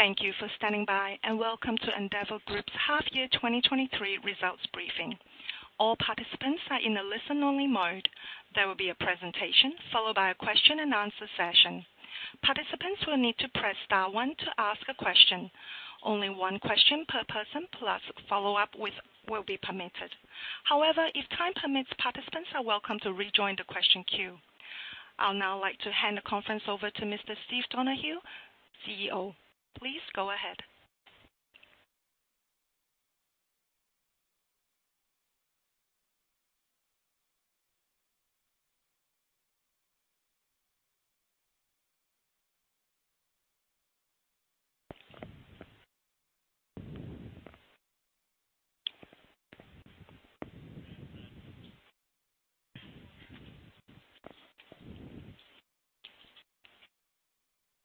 Thank you for standing by, welcome to Endeavour Group's half-year 2023 results briefing. All participants are in a listen only mode. There will be a presentation followed by a question and answer session. Participants will need to press star one to ask a question. Only one question per person plus follow-up will be permitted. However, if time permits, participants are welcome to rejoin the question queue. I'll now like to hand the conference over to Mr. Steve Donohue, CEO. Please go ahead.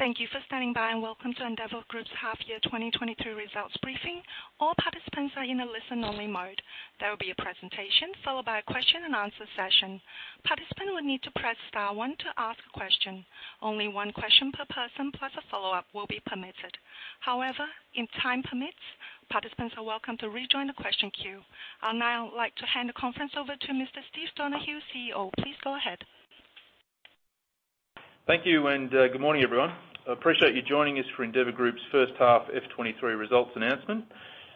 Thank you for standing by, welcome to Endeavour Group's half-year 2023 results briefing. All participants are in a listen only mode. There will be a presentation followed by a question and answer session. Participants will need to press star one to ask a question. Only one question per person plus a follow-up will be permitted. If time permits, participants are welcome to rejoin the question queue. I'll now like to hand the conference over to Mr. Steve Donohue, CEO. Please go ahead. Thank you, good morning, everyone. I appreciate you joining us for Endeavour Group's first half F 2023 results announcement.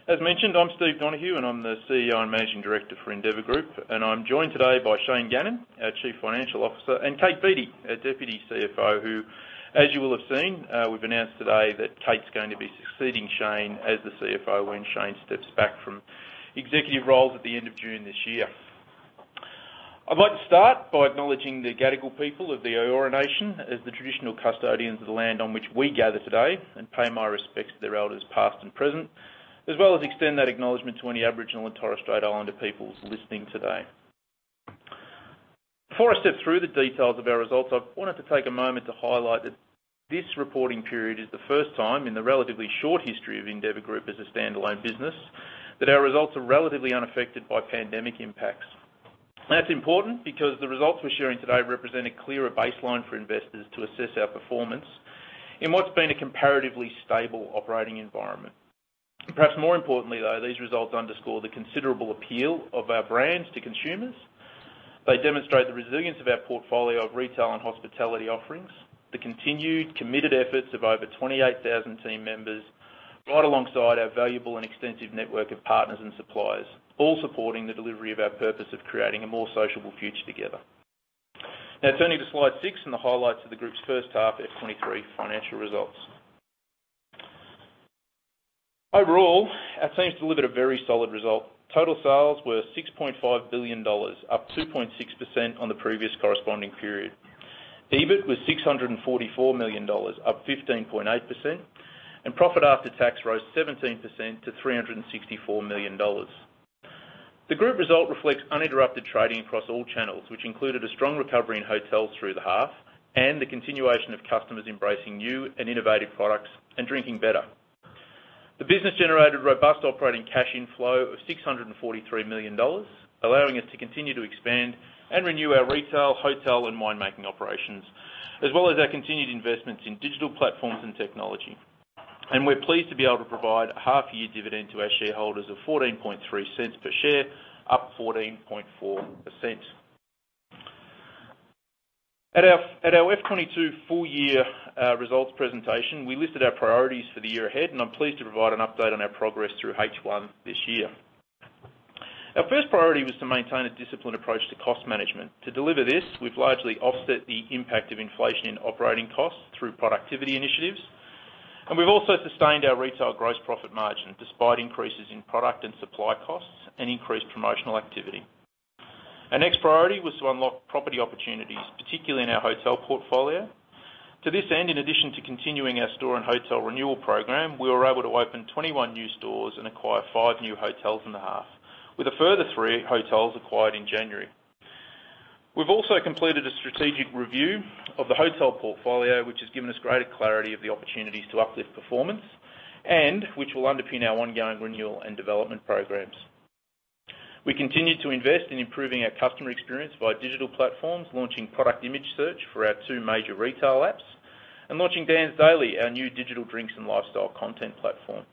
As mentioned, I'm Steve Donohue, and I'm the CEO and Managing Director for Endeavour Group. I'm joined today by Shane Gannon, our Chief Financial Officer, and Kate Beattie, our Deputy CFO, who, as you will have seen, we've announced today that Kate's going to be succeeding Shane as the CFO when Shane steps back from executive roles at the end of June this year. I'd like to start by acknowledging the Gadigal people of the Eora Nation as the traditional custodians of the land on which we gather today, and pay my respects to their elders, past and present, as well as extend that acknowledgement to any Aboriginal and Torres Strait Islander peoples listening today. Before I step through the details of our results, I wanted to take a moment to highlight that this reporting period is the first time in the relatively short history of Endeavour Group as a standalone business that our results are relatively unaffected by pandemic impacts. That's important because the results we're sharing today represent a clearer baseline for investors to assess our performance in what's been a comparatively stable operating environment. Perhaps more importantly, though, these results underscore the considerable appeal of our brands to consumers. They demonstrate the resilience of our portfolio of retail and hospitality offerings, the continued, committed efforts of over 28,000 team members, right alongside our valuable and extensive network of partners and suppliers, all supporting the delivery of our purpose of creating a more sociable future together. Turning to slide six and the highlights of the group's first half FY 2023 financial results. Overall, our teams delivered a very solid result. Total sales were 6.5 billion dollars, up 2.6% on the previous corresponding period. EBIT was 644 million dollars, up 15.8%. Profit after tax rose 17% to 364 million dollars. The group result reflects uninterrupted trading across all channels, which included a strong recovery in hotels through the half and the continuation of customers embracing new and innovative products and drinking better. The business generated robust operating cash inflow of 643 million dollars, allowing us to continue to expand and renew our retail, hotel, and winemaking operations, as well as our continued investments in digital platforms and technology. We're pleased to be able to provide a half-year dividend to our shareholders of 0.143 per share, up 14.4%. At our F 2022 full year results presentation, we listed our priorities for the year ahead, and I'm pleased to provide an update on our progress through H1 this year. Our first priority was to maintain a disciplined approach to cost management. To deliver this, we've largely offset the impact of inflation in operating costs through productivity initiatives, and we've also sustained our retail gross profit margin despite increases in product and supply costs and increased promotional activity. Our next priority was to unlock property opportunities, particularly in our hotel portfolio. To this end, in addition to continuing our store and hotel renewal program, we were able to open 21 new stores and acquire five new hotels in the half, with a further three hotels acquired in January. We've also completed a strategic review of the hotel portfolio, which has given us greater clarity of the opportunities to uplift performance and which will underpin our ongoing renewal and development programs. We continued to invest in improving our customer experience via digital platforms, launching product image search for our two major retail apps, and launching Dan's Daily, our new digital drinks and lifestyle content platform.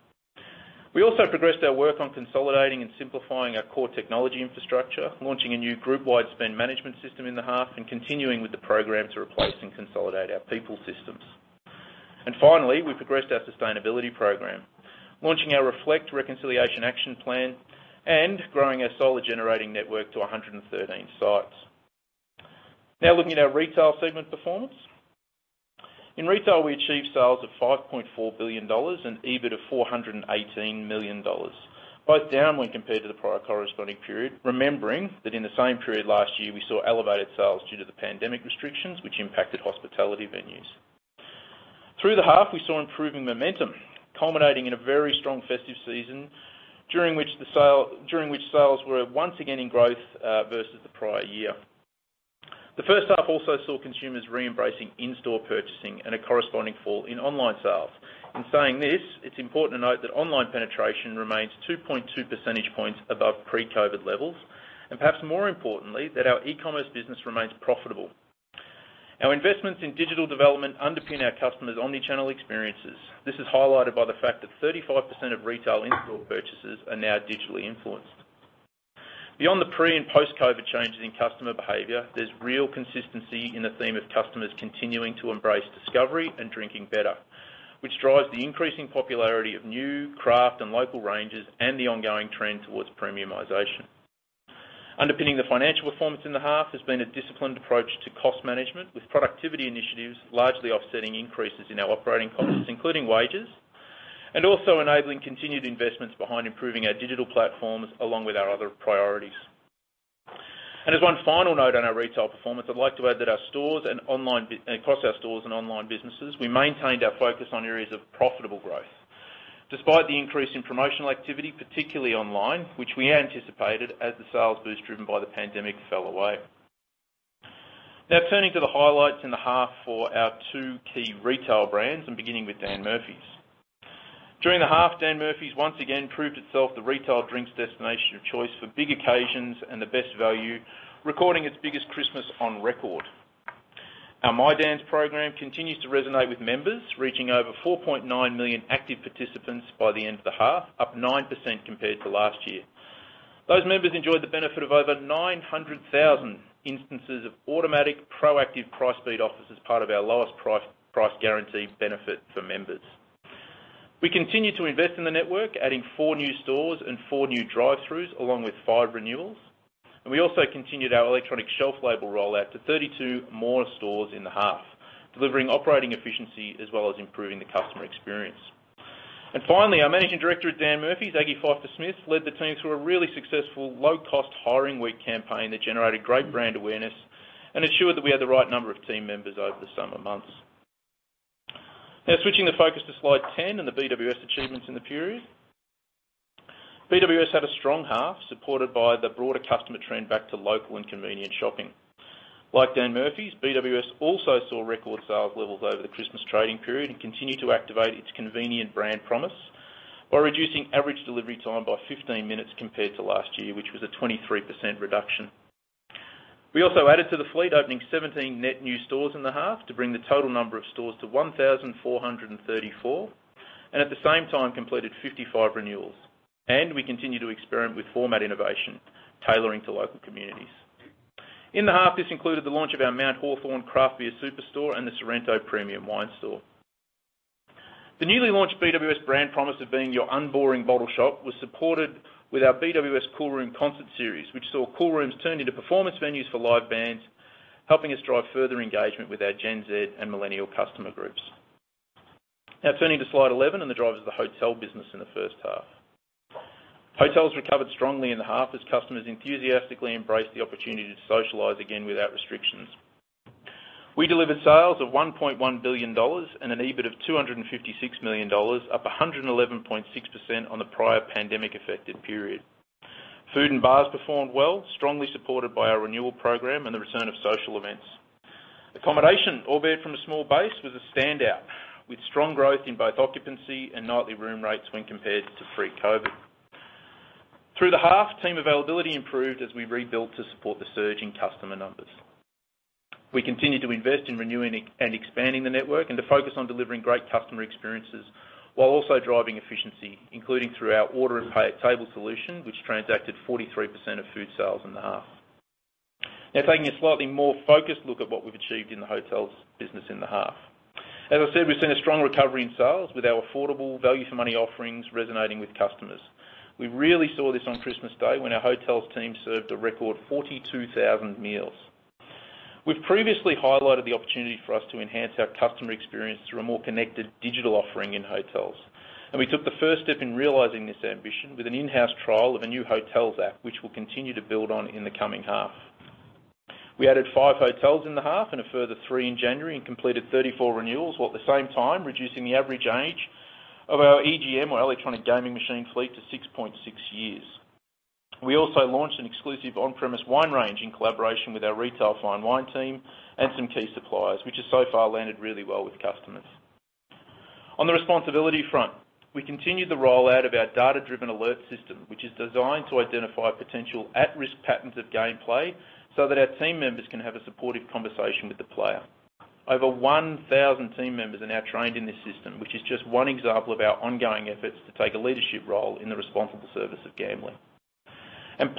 We also progressed our work on consolidating and simplifying our core technology infrastructure, launching a new group-wide spend management system in the half, and continuing with the program to replace and consolidate our people systems. Finally, we progressed our sustainability program, launching our Reflect Reconciliation Action Plan and growing our solar generating network to 113 sites. Looking at our retail segment performance. In retail, we achieved sales of 5.4 billion dollars and EBIT of 418 million dollars, both down when compared to the prior corresponding period. Remembering that in the same period last year, we saw elevated sales due to the pandemic restrictions which impacted hospitality venues. Through the half, we saw improving momentum, culminating in a very strong festive season, during which sales were once again in growth versus the prior year. The first half also saw consumers re-embracing in-store purchasing and a corresponding fall in online sales. In saying this, it's important to note that online penetration remains 2.2% points above pre-COVID levels, and perhaps more importantly, that our e-commerce business remains profitable. Our investments in digital development underpin our customers' omni-channel experiences. This is highlighted by the fact that 35% of retail in-store purchases are now digitally influenced. Beyond the pre- and post-COVID changes in customer behavior, there's real consistency in the theme of customers continuing to embrace discovery and drinking better, which drives the increasing popularity of new, craft, and local ranges, and the ongoing trend towards premiumization. Underpinning the financial performance in the half has been a disciplined approach to cost management with productivity initiatives, largely offsetting increases in our operating costs, including wages, and also enabling continued investments behind improving our digital platforms along with our other priorities. As one final note on our retail performance, I'd like to add that across our stores and online businesses, we maintained our focus on areas of profitable growth. Despite the increase in promotional activity, particularly online, which we anticipated as the sales boost driven by the pandemic fell away. Turning to the highlights in the half for our two key retail brands, and beginning with Dan Murphy's. During the half, Dan Murphy's once again proved itself the retail drinks destination of choice for big occasions and the best value, recording its biggest Christmas on record. Our MyDan's program continues to resonate with members, reaching over 4.9 million active participants by the end of the half, up 9% compared to last year. Those members enjoyed the benefit of over 900,000 instances of automatic proactive price beat offers as part of our lowest price guarantee benefit for members. We continued to invest in the network, adding four new stores and four new drive-throughs, along with five renewals. We also continued our electronic shelf label rollout to 32 more stores in the half, delivering operating efficiency as well as improving the customer experience. Finally, our Managing Director at Dan Murphy's, Agi Pfeiffer-Smith, led the team through a really successful low-cost hiring week campaign that generated great brand awareness and ensured that we had the right number of team members over the summer months. Now, switching the focus to slide 10 and the BWS achievements in the period. BWS had a strong half, supported by the broader customer trend back to local and convenient shopping. Like Dan Murphy's, BWS also saw record sales levels over the Christmas trading period and continued to activate its convenient brand promise while reducing average delivery time by 15 minutes compared to last year, which was a 23% reduction. We also added to the fleet, opening 17 net new stores in the half to bring the total number of stores to 1,434, and at the same time, completed 55 renewals. We continued to experiment with format innovation, tailoring to local communities. In the half, this included the launch of our Mount Hawthorn craft beer superstore and the Sorrento premium wine store. The newly launched BWS brand promise of being your unboring bottle shop was supported with our BWS cool room concert series, which saw cool rooms turn into performance venues for live bands, helping us drive further engagement with our Gen Z and millennial customer groups. Turning to slide 11 and the drivers of the hotel business in the first half. Hotels recovered strongly in the half as customers enthusiastically embraced the opportunity to socialize again without restrictions. We delivered sales of 1.1 billion dollars and an EBIT of 256 million dollars, up 111.6% on the prior pandemic-affected period. Food and bars performed well, strongly supported by our renewal program and the return of social events. Accommodation, albeit from a small base, was a standout, with strong growth in both occupancy and nightly room rates when compared to pre-COVID. Through the half, team availability improved as we rebuilt to support the surge in customer numbers. We continued to invest in renewing and expanding the network and to focus on delivering great customer experiences while also driving efficiency, including through our order and pay at table solution, which transacted 43% of food sales in the half. Taking a slightly more focused look at what we've achieved in the hotels business in the half. As I said, we've seen a strong recovery in sales with our affordable value for money offerings resonating with customers. We really saw this on Christmas Day when our hotels team served a record 42,000 meals. We've previously highlighted the opportunity for us to enhance our customer experience through a more connected digital offering in hotels. We took the first step in realizing this ambition with an in-house trial of a new hotels app, which we'll continue to build on in the coming half. We added five hotels in the half and a further three in January, and completed 34 renewals, while at the same time reducing the average age of our EGM or electronic gaming machine fleet to 6.6 years. We also launched an exclusive on-premise wine range in collaboration with our retail fine wine team and some key suppliers, which has so far landed really well with customers. On the responsibility front, we continued the rollout of our data-driven alert system, which is designed to identify potential at-risk patterns of gameplay so that our team members can have a supportive conversation with the player. Over 1,000 team members are now trained in this system, which is just one example of our ongoing efforts to take a leadership role in the responsible service of gambling.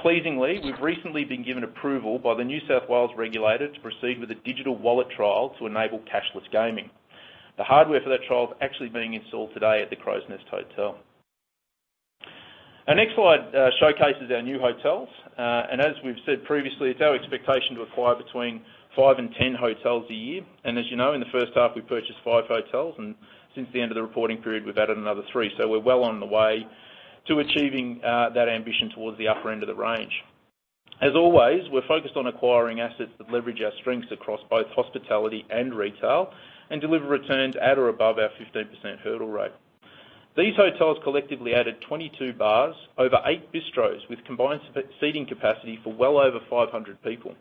Pleasingly, we've recently been given approval by the New South Wales regulator to proceed with a digital wallet trial to enable cashless gaming. The hardware for that trial is actually being installed today at the Crows Nest hotel. Our next slide showcases our new hotels. As we've said previously, it's our expectation to acquire between five and 10 hotels a year. As you know, in the first half, we purchased five hotels. Since the end of the reporting period, we've added another three. We're well on the way to achieving that ambition towards the upper end of the range. As always, we're focused on acquiring assets that leverage our strengths across both hospitality and retail, and deliver returns at or above our 15% hurdle rate. These hotels collectively added 22 bars, over eight bistros with combined sit-seating capacity for well over 500 people,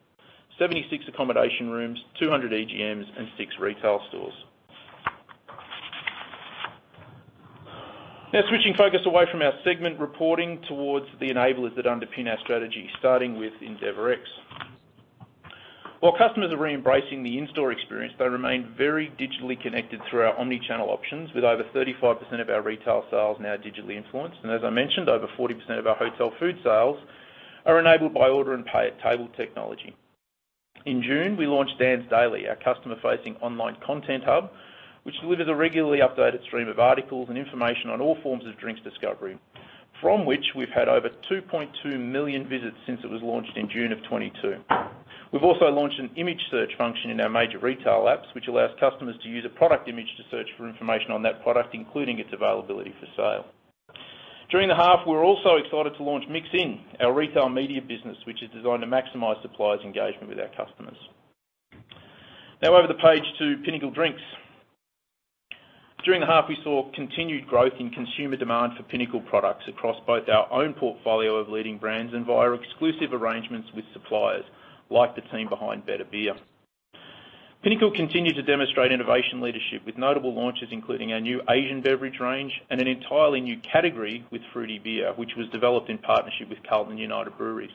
76 accommodation rooms, 200 EGMs, and six retail stores. Now switching focus away from our segment reporting towards the enablers that underpin our strategy, starting with EndeavorX. While customers are re-embracing the in-store experience, they remain very digitally connected through our omni-channel options with over 35% of our retail sales now digitally influenced. As I mentioned, over 40% of our hotel food sales are enabled by order and pay at table technology. In June, we launched Dan's Daily, our customer-facing online content hub, which delivers a regularly updated stream of articles and information on all forms of drinks discovery, from which we've had over 2.2 million visits since it was launched in June of 2022. We've also launched an image search function in our major retail apps, which allows customers to use a product image to search for information on that product, including its availability for sale. During the half, we're also excited to launch MixIn, our retail media business, which is designed to maximize suppliers' engagement with our customers. Over the page to Pinnacle Drinks. During the half we saw continued growth in consumer demand for Pinnacle products across both our own portfolio of leading brands and via exclusive arrangements with suppliers, like the team behind Better Beer. Pinnacle continued to demonstrate innovation leadership with notable launches, including our new Asian beverage range and an entirely new category with Fruity Beer, which was developed in partnership with Carlton & United Breweries.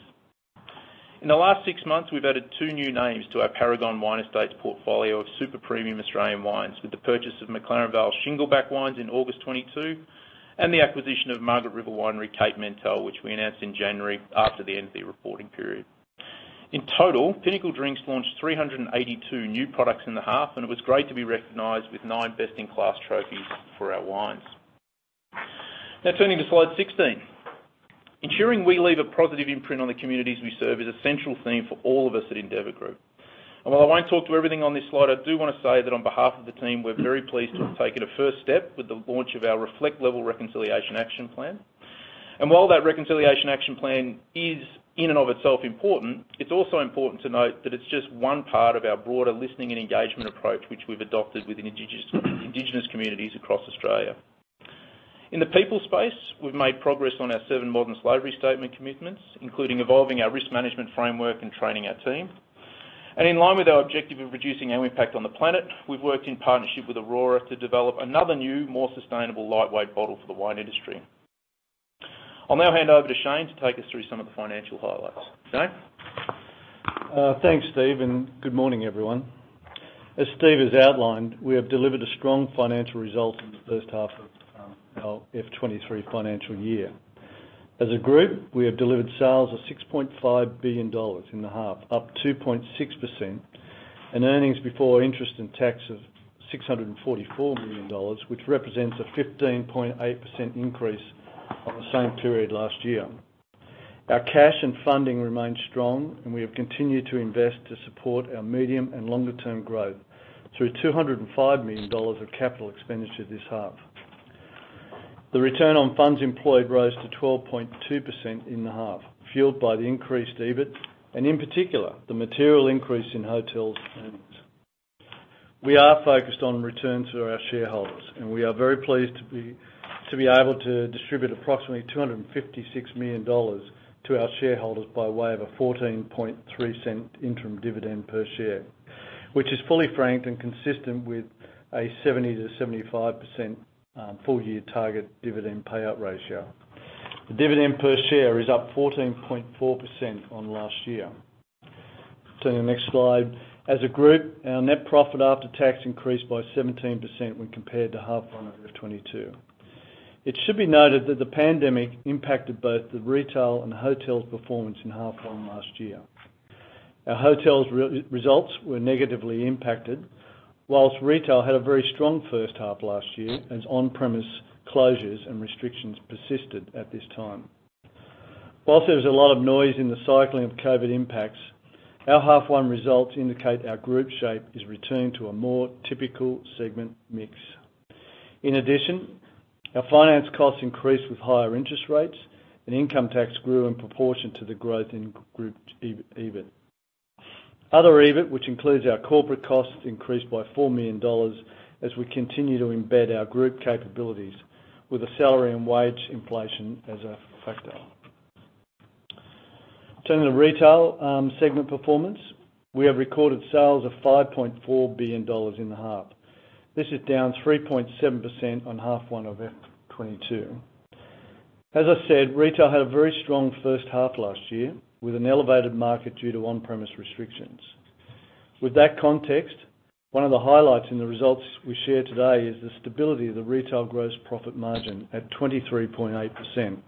In the last six months, we've added two new names to our Paragon Wine Estates portfolio of super premium Australian wines with the purchase of McLaren Vale Shingleback Wines in August 2022, and the acquisition of Margaret River winery, Cape Mentelle, which we announced in January after the end of the reporting period. In total, Pinnacle Drinks launched 382 new products in the half, and it was great to be recognized with nine best-in-class trophies for our wines. Now turning to slide 16. Ensuring we leave a positive imprint on the communities we serve is a central theme for all of us at Endeavour Group. While I won't talk to everything on this slide, I do wanna say that on behalf of the team, we're very pleased to have taken a first step with the launch of our Reflect Level Reconciliation Action Plan. While that Reconciliation Action Plan is in and of itself important, it's also important to note that it's just one part of our broader listening and engagement approach, which we've adopted with Indigenous communities across Australia. In the people space, we've made progress on our seven modern slavery statement commitments, including evolving our risk management framework and training our team. In line with our objective of reducing our impact on the planet, we've worked in partnership with Orora to develop another new, more sustainable lightweight bottle for the wine industry. I'll now hand over to Shane to take us through some of the financial highlights. Shane? Thanks, Steve, and good morning, everyone. As Steve has outlined, we have delivered a strong financial result in the first half of our F 2023 financial year. As a group, we have delivered sales of 6.5 billion dollars in the half, up 2.6%, and earnings before interest and tax of 644 million dollars, which represents a 15.8% increase on the same period last year. Our cash and funding remains strong, and we have continued to invest to support our medium and longer term growth through 205 million dollars of capital expenditure this half. The return on funds employed rose to 12.2% in the half, fueled by the increased EBIT and in particular, the material increase in hotels earnings. We are focused on returns for our shareholders. We are very pleased to be able to distribute approximately 256 million dollars to our shareholders by way of a 0.143 interim dividend per share, which is fully franked and consistent with a 70%-75% full year target dividend payout ratio. The dividend per share is up 14.4% on last year. Turning to the next slide. As a group, our net profit after tax increased by 17% when compared to half one of 2022. It should be noted that the pandemic impacted both the retail and hotels' performance in half one last year. Our hotels results were negatively impacted, whilst retail had a very strong first half last year as on-premise closures and restrictions persisted at this time. There was a lot of noise in the cycling of COVID impacts, our half one results indicate our group shape is returning to a more typical segment mix. In addition, our finance costs increased with higher interest rates and income tax grew in proportion to the growth in group EBIT. Other EBIT, which includes our corporate costs, increased by 4 million dollars as we continue to embed our group capabilities with the salary and wage inflation as a factor. Turning to the retail segment performance. We have recorded sales of 5.4 billion dollars in the half. This is down 3.7% on half one of F 2022. As I said, retail had a very strong first half last year with an elevated market due to on-premise restrictions. With that context, one of the highlights in the results we share today is the stability of the retail gross profit margin at 23.8%,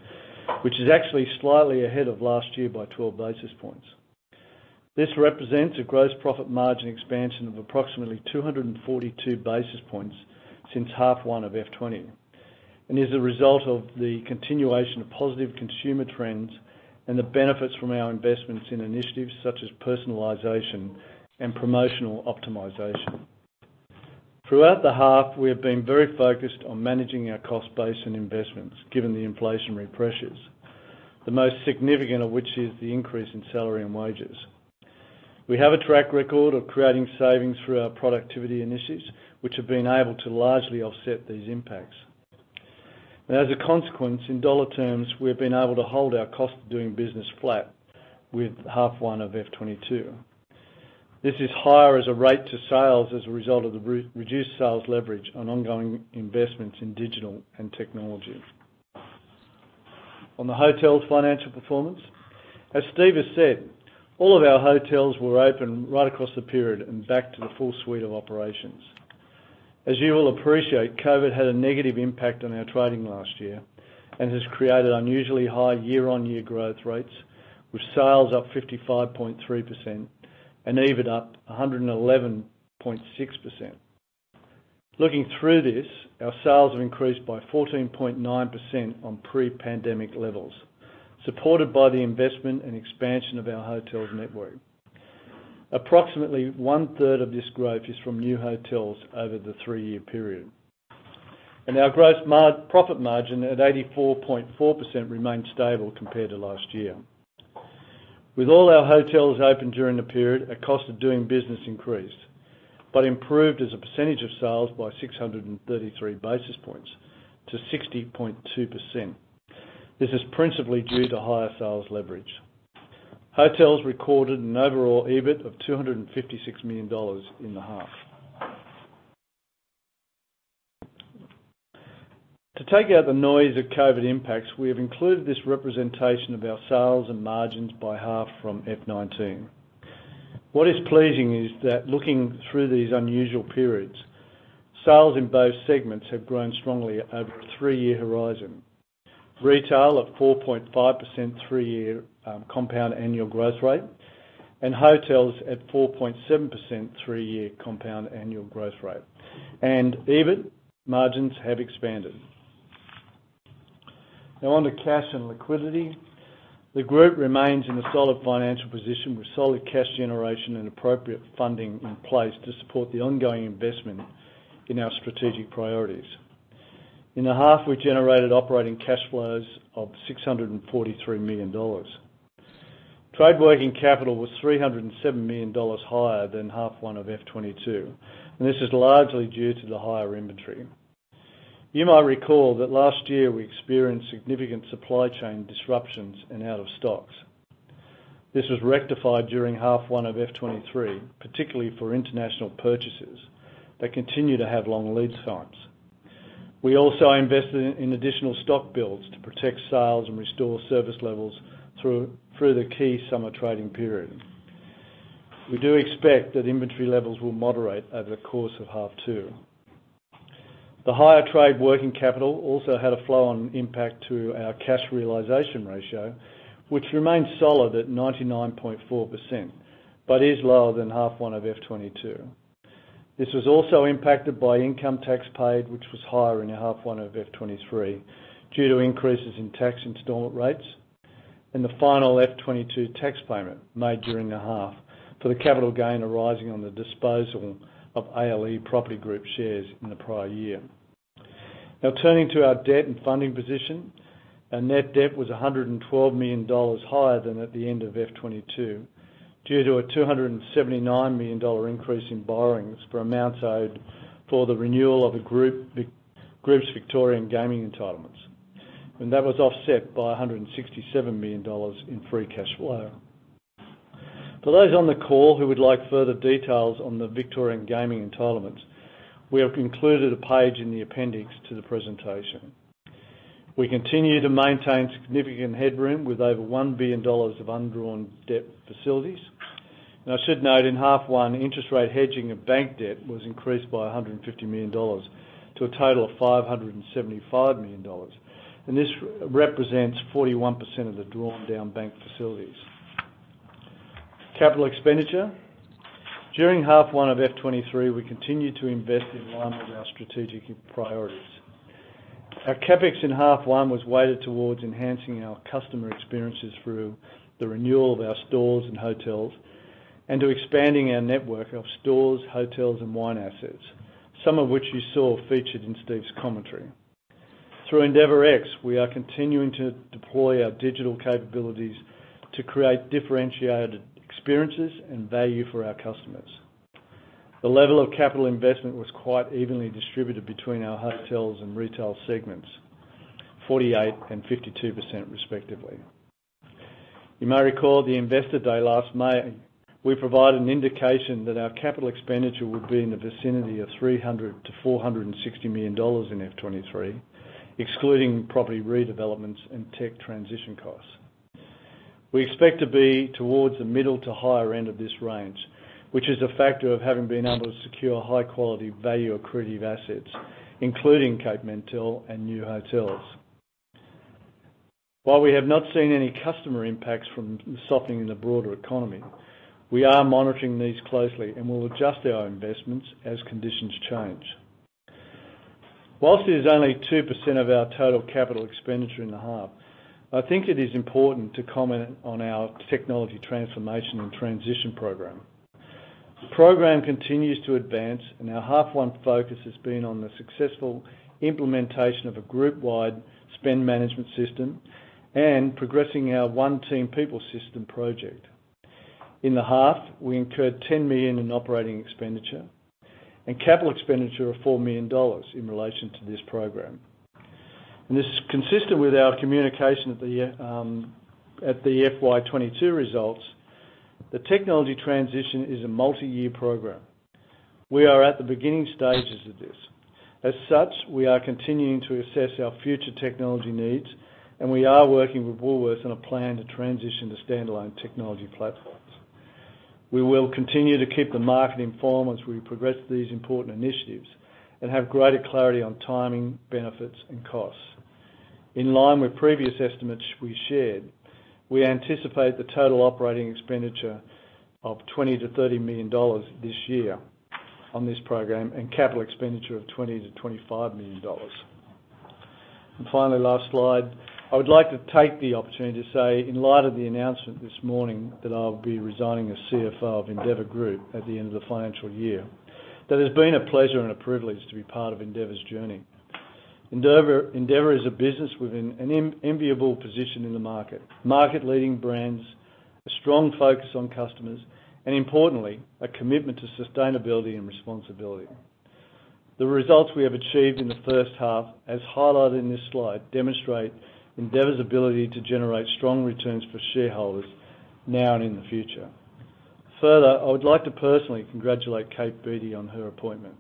which is actually slightly ahead of last year by 12 basis points. This represents a gross profit margin expansion of approximately 242 basis points since half one of F 2020, and is a result of the continuation of positive consumer trends and the benefits from our investments in initiatives such as personalization and promotional optimization. Throughout the half, we have been very focused on managing our cost base and investments given the inflationary pressures, the most significant of which is the increase in salary and wages. We have a track record of creating savings through our productivity initiatives, which have been able to largely offset these impacts. As a consequence, in AUD terms, we've been able to hold our cost of doing business flat with half one of FY 2022. This is higher as a rate to sales as a result of the reduced sales leverage on ongoing investments in digital and technology. On the hotels financial performance, as Steve has said, all of our hotels were open right across the period and back to the full suite of operations. As you all appreciate, COVID had a negative impact on our trading last year, and has created unusually high year-on-year growth rates, with sales up 55.3% and EBIT up 111.6%. Looking through this, our sales have increased by 14.9% on pre-pandemic levels, supported by the investment and expansion of our hotels network. Approximately 1/3 of this growth is from new hotels over the three-year period. Our gross profit margin at 84.4% remains stable compared to last year. With all our hotels open during the period, our cost of doing business increased, but improved as a percentage of sales by 633 basis points to 60.2%. This is principally due to higher sales leverage. Hotels recorded an overall EBIT of 256 million dollars in the half. To take out the noise of COVID impacts, we have included this representation of our sales and margins by half from F 2019. What is pleasing is that looking through these unusual periods, sales in both segments have grown strongly over the three-year horizon. Retail of 4.5% three-year compound annual growth rate, and hotels at 4.7% three-year compound annual growth rate. EBIT margins have expanded. On to cash and liquidity. The group remains in a solid financial position with solid cash generation and appropriate funding in place to support the ongoing investment in our strategic priorities. In the half, we generated operating cash flows of $643 million. Trade working capital was $307 million higher than half one of F 2022, and this is largely due to the higher inventory. You might recall that last year we experienced significant supply chain disruptions and out of stocks. This was rectified during half one of F 2023, particularly for international purchasers that continue to have long lead times. We also invested in additional stock builds to protect sales and restore service levels through the key summer trading period. We do expect that inventory levels will moderate over the course of half two. The higher trade working capital also had a flow-on impact to our cash realization ratio, which remains solid at 99.4%, but is lower than half one of F 2022. This was also impacted by income tax paid, which was higher in half one of F 2023 due to increases in tax installment rates and the final F 2022 tax payment made during the half for the capital gain arising on the disposal of ALE Property Group shares in the prior year. Turning to our debt and funding position, our net debt was 112 million dollars higher than at the end of F 2022 due to an 279 million dollar increase in borrowings for amounts owed for the renewal of the group's Victorian gaming entitlements. That was offset by 167 million dollars in free cash flow. For those on the call who would like further details on the Victorian gaming entitlements, we have included a page in the appendix to the presentation. We continue to maintain significant headroom with over 1 billion dollars of undrawn debt facilities. I should note in half one, interest rate hedging of bank debt was increased by 150 million dollars to a total of 575 million dollars. This represents 41% of the drawn down bank facilities. Capital expenditure. During half one of F 2023, we continued to invest in line with our strategic priorities. Our CapEx in half one was weighted towards enhancing our customer experiences through the renewal of our stores and hotels, and to expanding our network of stores, hotels, and wine assets, some of which you saw featured in Steve's commentary. Through EndeavourX, we are continuing to deploy our digital capabilities to create differentiated experiences and value for our customers. The level of capital investment was quite evenly distributed between our hotels and retail segments, 48% and 52% respectively. You may recall at the Investor Day last May, we provided an indication that our capital expenditure would be in the vicinity of 300 million-460 million dollars in FY 2023, excluding property redevelopments and tech transition costs. We expect to be towards the middle to higher end of this range, which is a factor of having been able to secure high-quality, value-accretive assets, including Cape Mentelle and new hotels. While we have not seen any customer impacts from the softening in the broader economy, we are monitoring these closely and will adjust our investments as conditions change. Whilst it is only 2% of our total capital expenditure in the half, I think it is important to comment on our technology transformation and transition program. The program continues to advance, and our half one focus has been on the successful implementation of a group-wide spend management system and progressing our One Team people system project. In the half, we incurred 10 million in operating expenditure and capital expenditure of 4 million dollars in relation to this program. This is consistent with our communication at the year, at the FY 2022 results. The technology transition is a multi-year program. We are at the beginning stages of this. As such, we are continuing to assess our future technology needs, and we are working with Woolworths on a plan to transition to standalone technology platforms. We will continue to keep the market informed as we progress these important initiatives and have greater clarity on timing, benefits, and costs. In line with previous estimates we shared, we anticipate the total operating expenditure of 20 million-30 million dollars this year on this program and capital expenditure of 20 million-25 million dollars. Finally, last slide. I would like to take the opportunity to say, in light of the announcement this morning, that I'll be resigning as CFO of Endeavour Group at the end of the financial year, that it's been a pleasure and a privilege to be part of Endeavour's journey. Endeavour is a business within an enviable position in the market. Market-leading brands, a strong focus on customers, and importantly, a commitment to sustainability and responsibility. The results we have achieved in the first half, as highlighted in this slide, demonstrate Endeavour's ability to generate strong returns for shareholders now and in the future. Further, I would like to personally congratulate Kate Beattie on her appointment.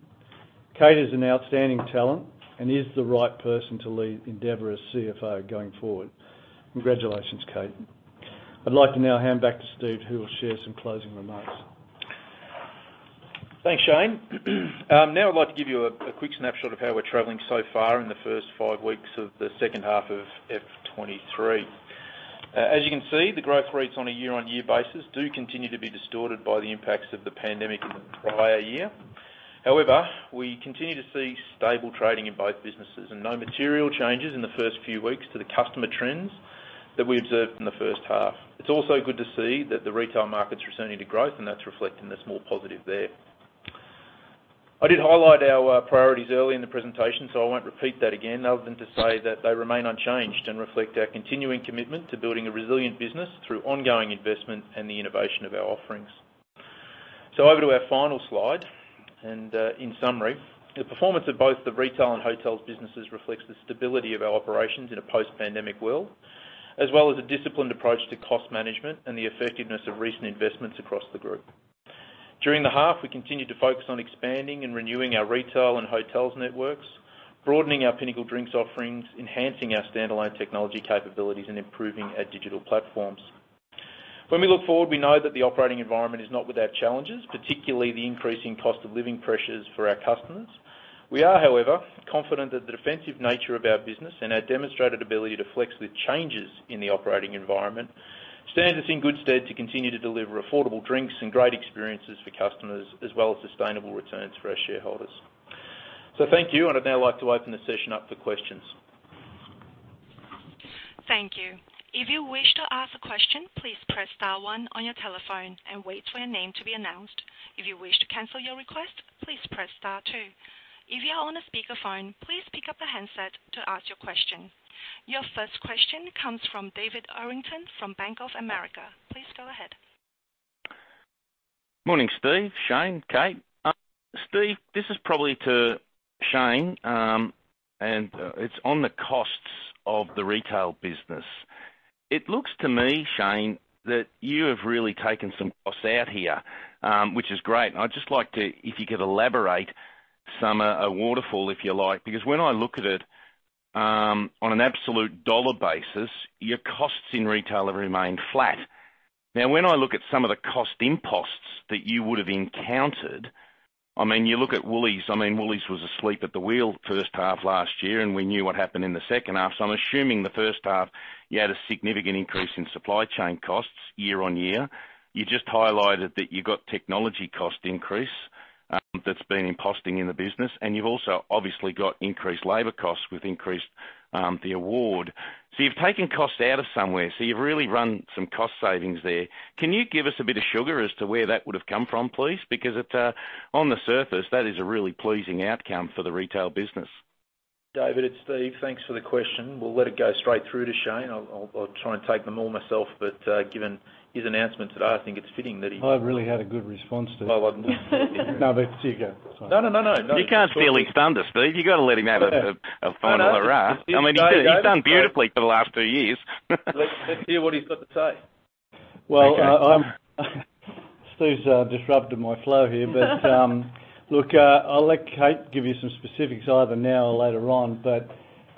Kate is an outstanding talent and is the right person to lead Endeavour as CFO going forward. Congratulations, Kate. I'd like to now hand back to Steve, who will share some closing remarks. Thanks, Shane. Now I'd like to give you a quick snapshot of how we're traveling so far in the first five weeks of the second half of F 2023. As you can see, the growth rates on a year-on-year basis do continue to be distorted by the impacts of the pandemic in the prior year. However, we continue to see stable trading in both businesses and no material changes in the first few weeks to the customer trends that we observed in the first half. It's also good to see that the retail market's returning to growth, and that's reflected in the small positive there. I did highlight our priorities early in the presentation, so I won't repeat that again, other than to say that they remain unchanged and reflect our continuing commitment to building a resilient business through ongoing investment and the innovation of our offerings. Over to our final slide, in summary, the performance of both the retail and hotels businesses reflects the stability of our operations in a post-pandemic world, as well as a disciplined approach to cost management and the effectiveness of recent investments across the group. During the half, we continued to focus on expanding and renewing our retail and hotels networks, broadening our Pinnacle Drinks offerings, enhancing our standalone technology capabilities, and improving our digital platforms. When we look forward, we know that the operating environment is not without challenges, particularly the increasing cost of living pressures for our customers. We are, however, confident that the defensive nature of our business and our demonstrated ability to flex with changes in the operating environment stands us in good stead to continue to deliver affordable drinks and great experiences for customers, as well as sustainable returns for our shareholders. Thank you, I would now like to open the session up for questions. Thank you. If you wish to ask a question, please press star one on your telephone and wait for your name to be announced. If you wish to cancel your request, please press star two. If you are on a speakerphone, please pick up the handset to ask your question. Your first question comes from David Errington from Bank of America. Please go ahead. Morning, Steve, Shane, Kate. Steve, this is probably to Shane, and it's on the costs of the retail business. It looks to me, Shane, that you have really taken some costs out here, which is great. I'd just like to, if you could elaborate some, a waterfall, if you like, because when I look at it, on an absolute dollar basis, your costs in retail have remained flat. When I look at some of the cost imposts that you would have encountered, I mean, you look at Woolies. I mean, Woolies was asleep at the wheel first half last year, and we knew what happened in the second half. I'm assuming the first half you had a significant increase in supply chain costs year-on-year. You just highlighted that you got technology cost increase, that's been imposting in the business, and you've also obviously got increased labor costs with increased, the award. You've taken costs out of somewhere, so you've really run some cost savings there. Can you give us a bit of sugar as to where that would've come from, please? It, on the surface, that is a really pleasing outcome for the retail business. David, it's Steve. Thanks for the question. We'll let it go straight through to Shane. I'll try and take them all myself, but given his announcement today, I think it's fitting that he. I really had a good response to. Oh, I wouldn't No, here you go. No, no, no. You can't steal his thunder, Steve. You gotta let him have a final hurrah. I mean, he's done beautifully for the last two years. Let's hear what he's got to say. Well, Steve's disrupted my flow here. Look, I'll let Kate give you some specifics either now or later on.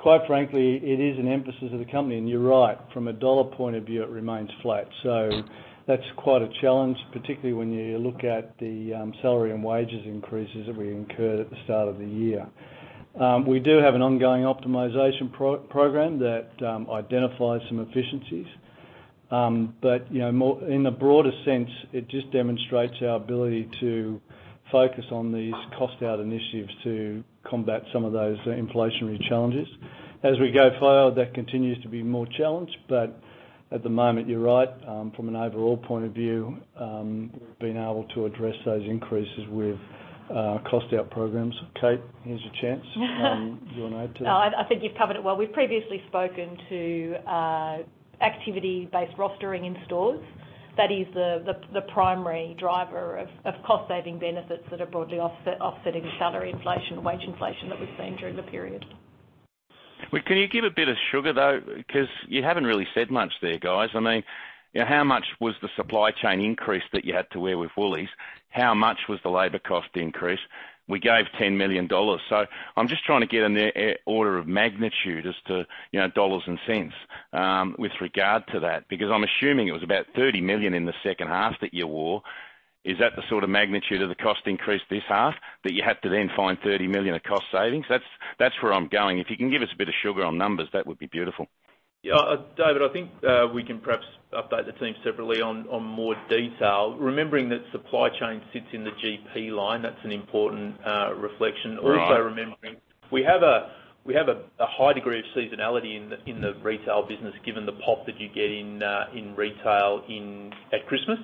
Quite frankly, it is an emphasis of the company, and you're right. From a dollar point of view, it remains flat. That's quite a challenge, particularly when you look at the salary and wages increases that we incurred at the start of the year. We do have an ongoing optimization program that identifies some efficiencies. You know, more, in a broader sense, it just demonstrates our ability to focus on these cost out initiatives to combat some of those inflationary challenges. As we go forward, that continues to be more challenged, but at the moment, you're right. From an overall point of view, we've been able to address those increases with cost out programs. Kate, here's your chance. Do you wanna add to that? No. I think you've covered it well. We've previously spoken to activity-based rostering in stores. That is the primary driver of cost saving benefits that are broadly offsetting salary inflation, wage inflation that we've seen during the period. Well, can you give a bit of sugar, though? 'Cause you haven't really said much there, guys. I mean, how much was the supply chain increase that you had to wear with Woolies? How much was the labor cost increase? We gave 10 million dollars. I'm just trying to get an order of magnitude as to, you know, dollars and cents with regard to that, because I'm assuming it was about 30 million in the second half that you wore. Is that the sort of magnitude of the cost increase this half that you had to then find 30 million of cost savings? That's where I'm going. If you can give us a bit of sugar on numbers, that would be beautiful. Yeah. David, I think, we can perhaps update the team separately on more detail. Remembering that supply chain sits in the GP line, that's an important reflection. Right. Remembering, we have a high degree of seasonality in the retail business, given the pop that you get in retail at Christmas.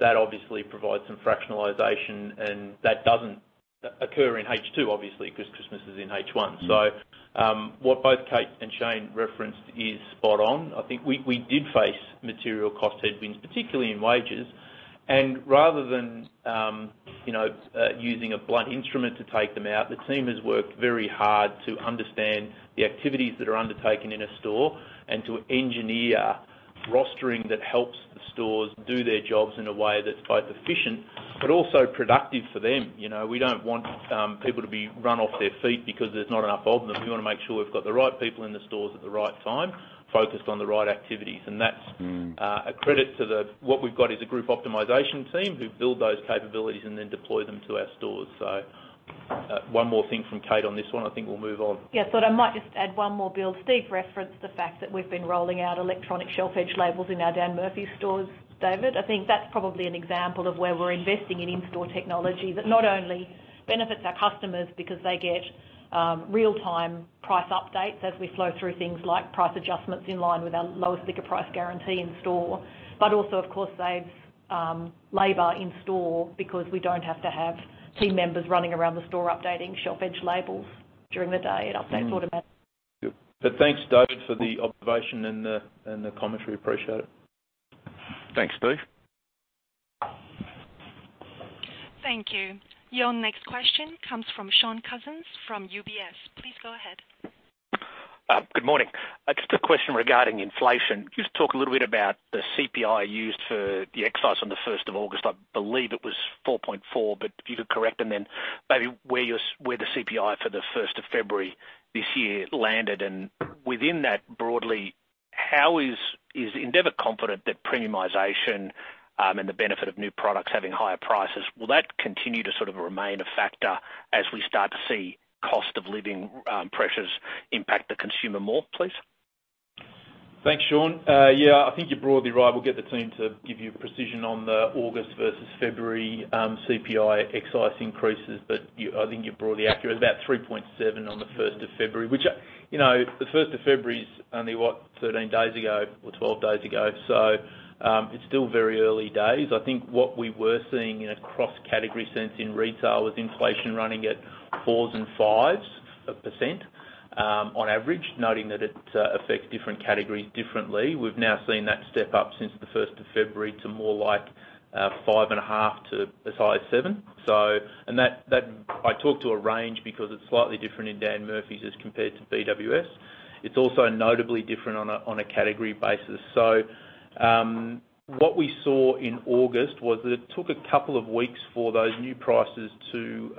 That obviously provides some fractionalization, and that doesn't occur in H2, obviously, because Christmas is in H1. Mm-hmm. What both Kate and Shane referenced is spot on. I think we did face material cost headwinds, particularly in wages. Rather than, you know, using a blunt instrument to take them out, the team has worked very hard to understand the activities that are undertaken in a store and to engineer rostering that helps the stores do their jobs in a way that's both efficient but also productive for them. You know, we don't want people to be run off their feet because there's not enough of them. We wanna make sure we've got the right people in the stores at the right time, focused on the right activities. Mm. A credit to the... What we've got is a group optimization team who build those capabilities and then deploy them to our stores. One more thing from Kate on this one, I think we'll move on. Yes. I might just add one more, Bill. Steve referenced the fact that we've been rolling out electronic shelf labels in our Dan Murphy's stores, David. I think that's probably an example of where we're investing in in-store technology that not only benefits our customers because they get real-time price updates as we flow through things like price adjustments in line with our lowest liquor price guarantee in store, but also, of course, saves labor in store because we don't have to have team members running around the store updating shelf labels during the day. It updates automatically. Thanks, David, for the observation and the commentary. Appreciate it. Thanks, Steve. Thank you. Your next question comes from Shaun Cousins from UBS. Please go ahead. Good morning. Just a question regarding inflation. Can you just talk a little bit about the CPI used for the excise on the 1st August? I believe it was 4.4%, but if you could correct and then maybe where the CPI for the 1st February this year landed, and within that, broadly, how is Endeavour confident that premiumization, and the benefit of new products having higher prices, will that continue to sort of remain a factor as we start to see cost of living pressures impact the consumer more, please? Thanks, Shaun. Yeah, I think you're broadly right. We'll get the team to give you precision on the August versus February CPI excise increases. I think you're broadly accurate. About 3.7% on the first of February, which, you know, the 1st February is only, what, 13 days ago or 12 days ago. It's still very early days. I think what we were seeing in a cross-category sense in retail was inflation running at 4%-5% on average, noting that it affects different categories differently. We've now seen that step up since the 1st February to more like 5.5% to as high as 7%. I talk to a range because it's slightly different in Dan Murphy's as compared to BWS. It's also notably different on a category basis. What we saw in August was it took a couple of weeks for those new prices to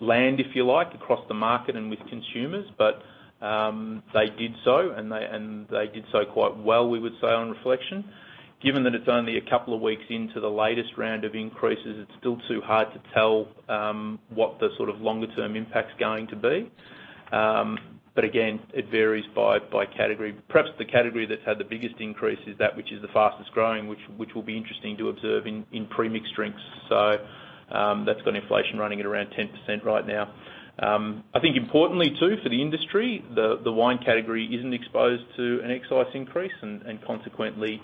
land, if you like, across the market and with consumers. They did so, and they did so quite well, we would say on reflection. Given that it's only a couple of weeks into the latest round of increases, it's still too hard to tell what the sort of longer term impact's going to be. Again, it varies by category. Perhaps the category that's had the biggest increase is that which is the fastest growing, which will be interesting to observe in pre-mixed drinks. That's got inflation running at around 10% right now. I think importantly too, for the industry, the wine category isn't exposed to an excise increase, and consequently,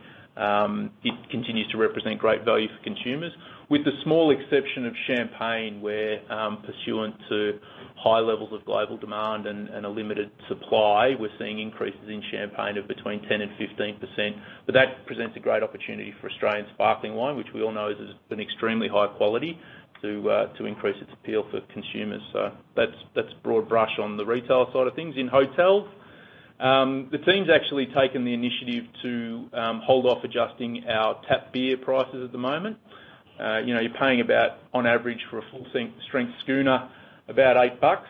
it continues to represent great value for consumers, with the small exception of champagne, where, pursuant to high levels of global demand and a limited supply, we're seeing increases in champagne of between 10%-15%. That presents a great opportunity for Australian sparkling wine, which we all know is an extremely high quality to increase its appeal for consumers. That's broad brush on the retail side of things. In hotels, the team's actually taken the initiative to hold off adjusting our tap beer prices at the moment. You know, you're paying about, on average, for a full thing-- strength schooner about 8 bucks.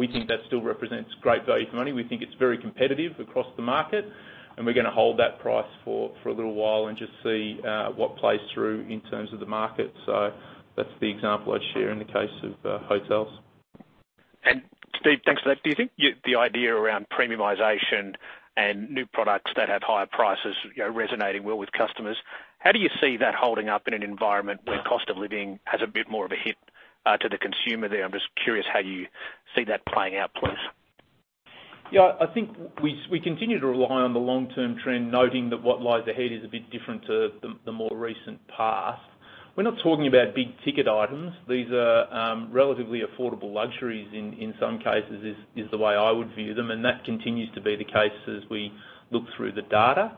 We think that still represents great value for money. We think it's very competitive across the market, we're gonna hold that price for a little while and just see what plays through in terms of the market. That's the example I'd share in the case of hotels. Steve, thanks for that. Do you think the idea around premiumization and new products that have higher prices, you know, resonating well with customers, how do you see that holding up in an environment where cost of living has a bit more of a hit to the consumer there? I'm just curious how you see that playing out, please. Yeah. I think we continue to rely on the long-term trend, noting that what lies ahead is a bit different to the more recent past. We're not talking about big ticket items. These are relatively affordable luxuries in some cases, is the way I would view them, and that continues to be the case as we look through the data.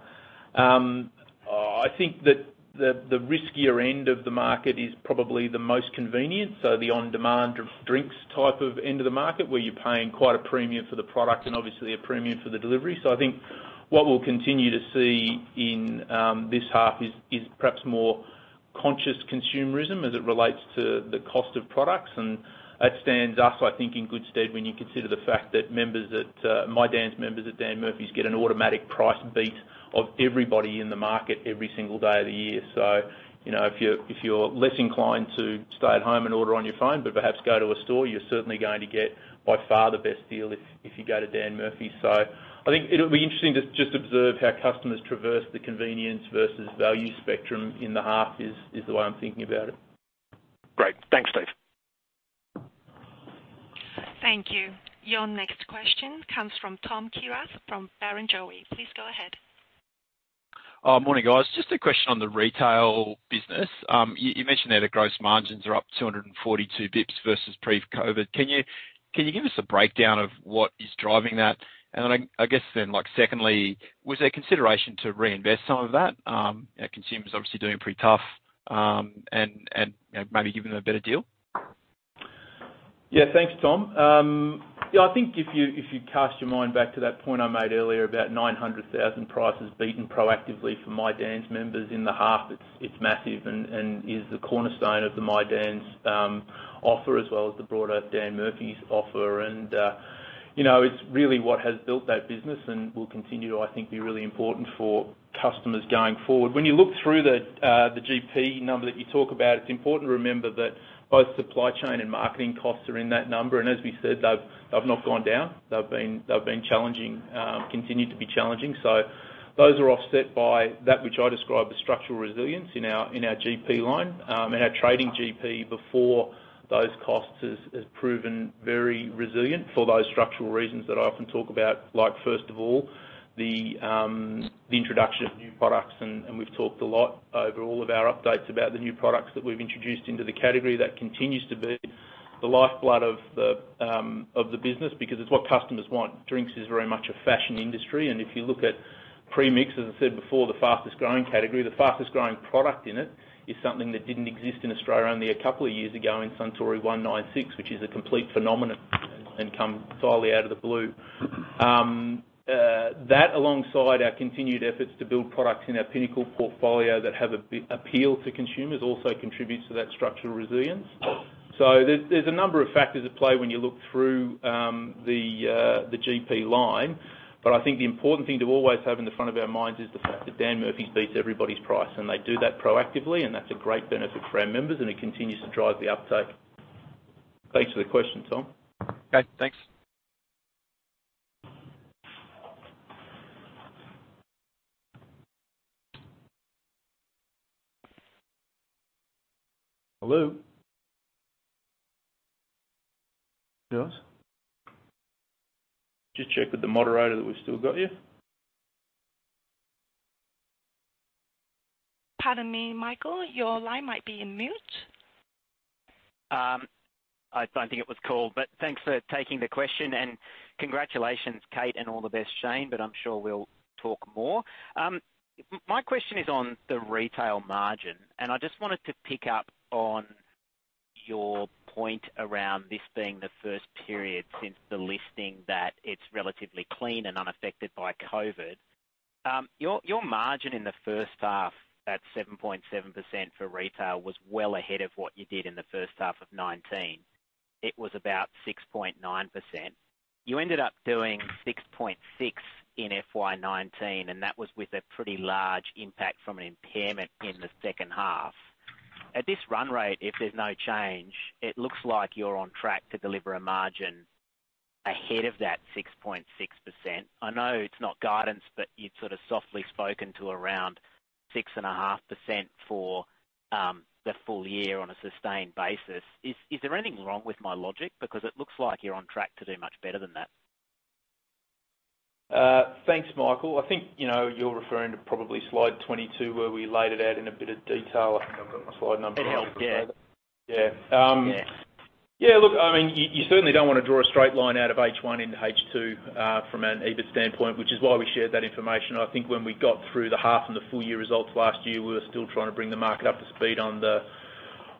I think that the riskier end of the market is probably the most convenient, so the on-demand of drinks type of end of the market, where you're paying quite a premium for the product and obviously a premium for the delivery. I think what we'll continue to see in this half is perhaps more conscious consumerism as it relates to the cost of products. That stands us, I think, in good stead when you consider the fact that members at MyDan's, members at Dan Murphy's get an automatic price beat of everybody in the market every single day of the year. You know, if you're, if you're less inclined to stay at home and order on your phone, but perhaps go to a store, you're certainly going to get by far the best deal if you go to Dan Murphy's. I think it'll be interesting to just observe how customers traverse the convenience versus value spectrum in the half is the way I'm thinking about it. Great. Thanks, Steve. Thank you. Your next question comes from Tom Kierath from Barrenjoey. Please go ahead. Morning, guys. Just a question on the retail business. You mentioned that the gross margins are up 242 basis points versus pre-COVID. Can you give us a breakdown of what is driving that? I guess then, like secondly, was there consideration to reinvest some of that? You know, consumers obviously doing it pretty tough, and, you know, maybe give them a better deal. Yeah. Thanks, Tom. I think if you, if you cast your mind back to that point I made earlier, about 900,000 prices beaten proactively for MyDan's members in the half, it's massive and is the cornerstone of the MyDan's offer, as well as the broader Dan Murphy's offer. You know, it's really what has built that business and will continue to, I think, be really important for customers going forward. When you look through the GP number that you talk about, it's important to remember that both supply chain and marketing costs are in that number. As we said, they've not gone down. They've been challenging, continue to be challenging. Those are offset by that which I describe as structural resilience in our GP line. Our trading GP before those costs has proven very resilient for those structural reasons that I often talk about, like, first of all, the introduction of new products. We've talked a lot over all of our updates about the new products that we've introduced into the category. That continues to be the lifeblood of the business because it's what customers want. Drinks is very much a fashion industry, and if you look at pre-mix, as I said before, the fastest growing category, the fastest growing product in it is something that didn't exist in Australia only a couple of years ago in Suntory -196, which is a complete phenomenon and come entirely out of the blue. That, alongside our continued efforts to build products in our Pinnacle portfolio that have a appeal to consumers, also contributes to that structural resilience. There's a number of factors at play when you look through the GP line, but I think the important thing to always have in the front of our minds is the fact that Dan Murphy's beats everybody's price, and they do that proactively, and that's a great benefit for our members, and it continues to drive the uptake. Thanks for the question, Tom. Okay, thanks. Hello? Guys? Just check with the moderator that we've still got you. Pardon me, Michael, your line might be on mute. I don't think it was called, but thanks for taking the question and congratulations, Kate, and all the best, Shane, but I'm sure we'll talk more. My question is on the retail margin, and I just wanted to pick up on your point around this being the first period since the listing that it's relatively clean and unaffected by COVID. Your margin in the first half, that 7.7% for retail, was well ahead of what you did in the first half of 2019. It was about 6.9%. You ended up doing 6.6 in FY 2019, and that was with a pretty large impact from an impairment in the second half. At this run rate, if there's no change, it looks like you're on track to deliver a margin ahead of that 6.6%. I know it's not guidance, but you'd sort of softly spoken to around 6.5% for the full year on a sustained basis. Is there anything wrong with my logic? It looks like you're on track to do much better than that. Thanks, Michael. I think, you know, you're referring to probably slide 22, where we laid it out in a bit of detail. I think I've got my slide number wrong. It helps, yeah. Yeah. Yeah. Yeah, look, I mean, you certainly don't wanna draw a straight line out of H1 into H2 from an EBIT standpoint, which is why we shared that information. I think when we got through the half and the full year results last year, we were still trying to bring the market up to speed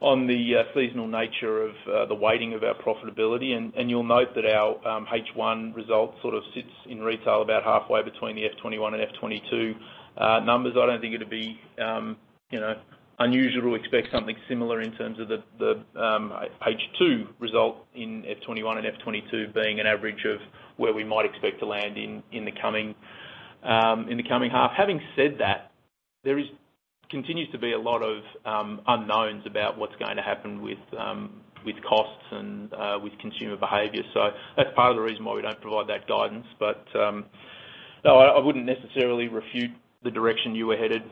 on the seasonal nature of the weighting of our profitability. You'll note that our H1 results sort of sits in retail about halfway between the F 2021 and F 2022 numbers. I don't think it'd be, you know, unusual to expect something similar in terms of the H2 result in F 2021 and F 2022 being an average of where we might expect to land in the coming half. Having said that, there continues to be a lot of unknowns about what's going to happen with costs and with consumer behavior. That's part of the reason why we don't provide that guidance. No, I wouldn't necessarily refute the direction you were headed.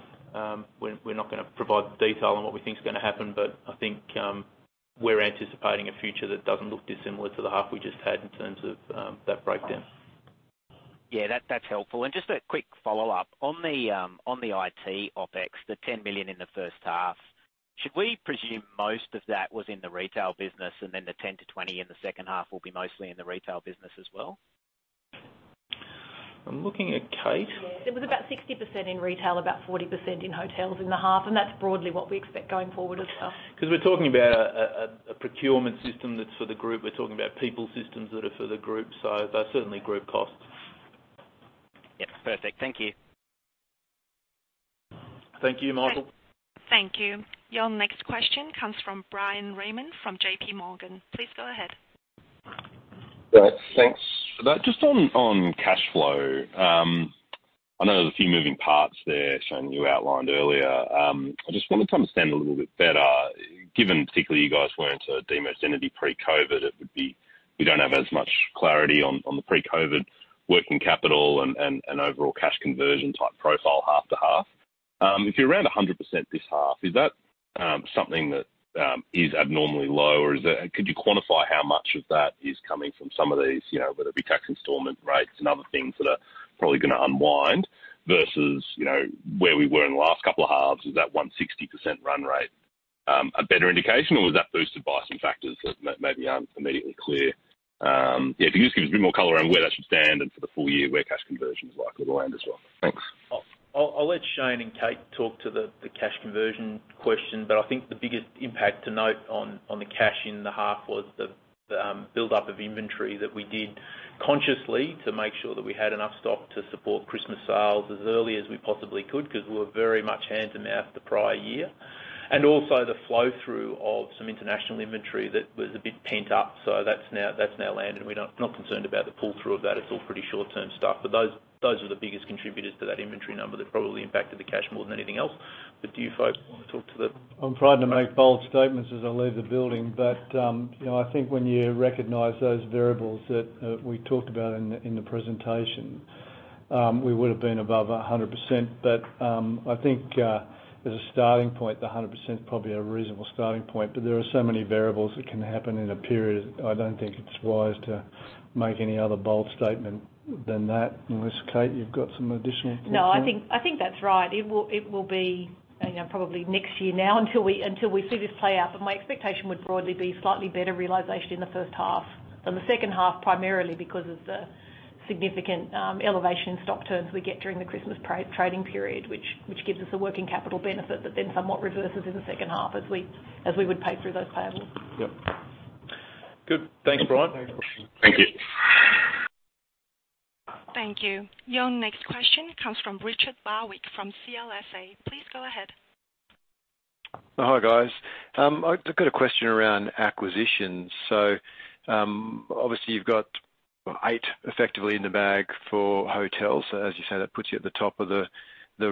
We're not gonna provide the detail on what we think is gonna happen, but I think we're anticipating a future that doesn't look dissimilar to the half we just had in terms of that breakdown. Yeah, that's helpful. Just a quick follow-up. On the, on the IT OpEx, the 10 million in the first half, should we presume most of that was in the retail business and then the 10 million-20 million in the second half will be mostly in the retail business as well? I'm looking at Kate. Yeah. It was about 60% in retail, about 40% in hotels in the half, and that's broadly what we expect going forward as well. Cause we're talking about a procurement system that's for the group. We're talking about people systems that are for the group. They're certainly group costs. Yeah. Perfect. Thank you. Thank you, Michael. Thank you. Your next question comes from Bryan Raymond from JPMorgan. Please go ahead. All right. Thanks for that. Just on cash flow. I know there's a few moving parts there, Shane, you outlined earlier. I just wanted to understand a little bit better, given particularly you guys went into demerged entity pre-COVID, you don't have as much clarity on the pre-COVID working capital and overall cash conversion type profile half to half. If you're around 100% this half, is that something that is abnormally low? Could you quantify how much of that is coming from some of these, you know, whether it be tax installment rates and other things that are probably gonna unwind versus, you know, where we were in the last couple of halves? Is that 160% run rate a better indication or was that boosted by some factors that may be aren't immediately clear? Yeah, if you can just give us a bit more color around where that should stand and for the full year where cash conversion is likely to land as well. Thanks. I'll let Shane and Kate talk to the cash conversion question, but I think the biggest impact to note on the cash in the half was the buildup of inventory that we did consciously to make sure that we had enough stock to support Christmas sales as early as we possibly could, 'cause we were very much hand to mouth the prior year. Also the flow-through of some international inventory that was a bit pent up. That's now landed. We're not concerned about the pull-through of that. It's all pretty short-term stuff. Those are the biggest contributors to that inventory number that probably impacted the cash more than anything else. Do you folks wanna talk to the. I'm trying to make bold statements as I leave the building, but, you know, I think when you recognize those variables that we talked about in the presentation, we would have been above 100%. I think as a starting point, the 100% is probably a reasonable starting point. There are so many variables that can happen in a period. I don't think it's wise to make any other bold statement than that. Unless, Kate, you've got some additional insight. No, I think that's right. It will be, you know, probably next year now until we see this play out. My expectation would broadly be slightly better realization in the first half. In the second half, primarily because of the significant elevation in stock terms we get during the Christmas trading period, which gives us a working capital benefit that then somewhat reverses in the second half as we would pay through those payables. Yep. Good. Thanks, Bryan. Thank you. Thank you. Your next question comes from Richard Barwick from CLSA. Please go ahead. Hi, guys. I've got a question around acquisitions. Obviously you've got eight effectively in the bag for hotels. As you say, that puts you at the top of the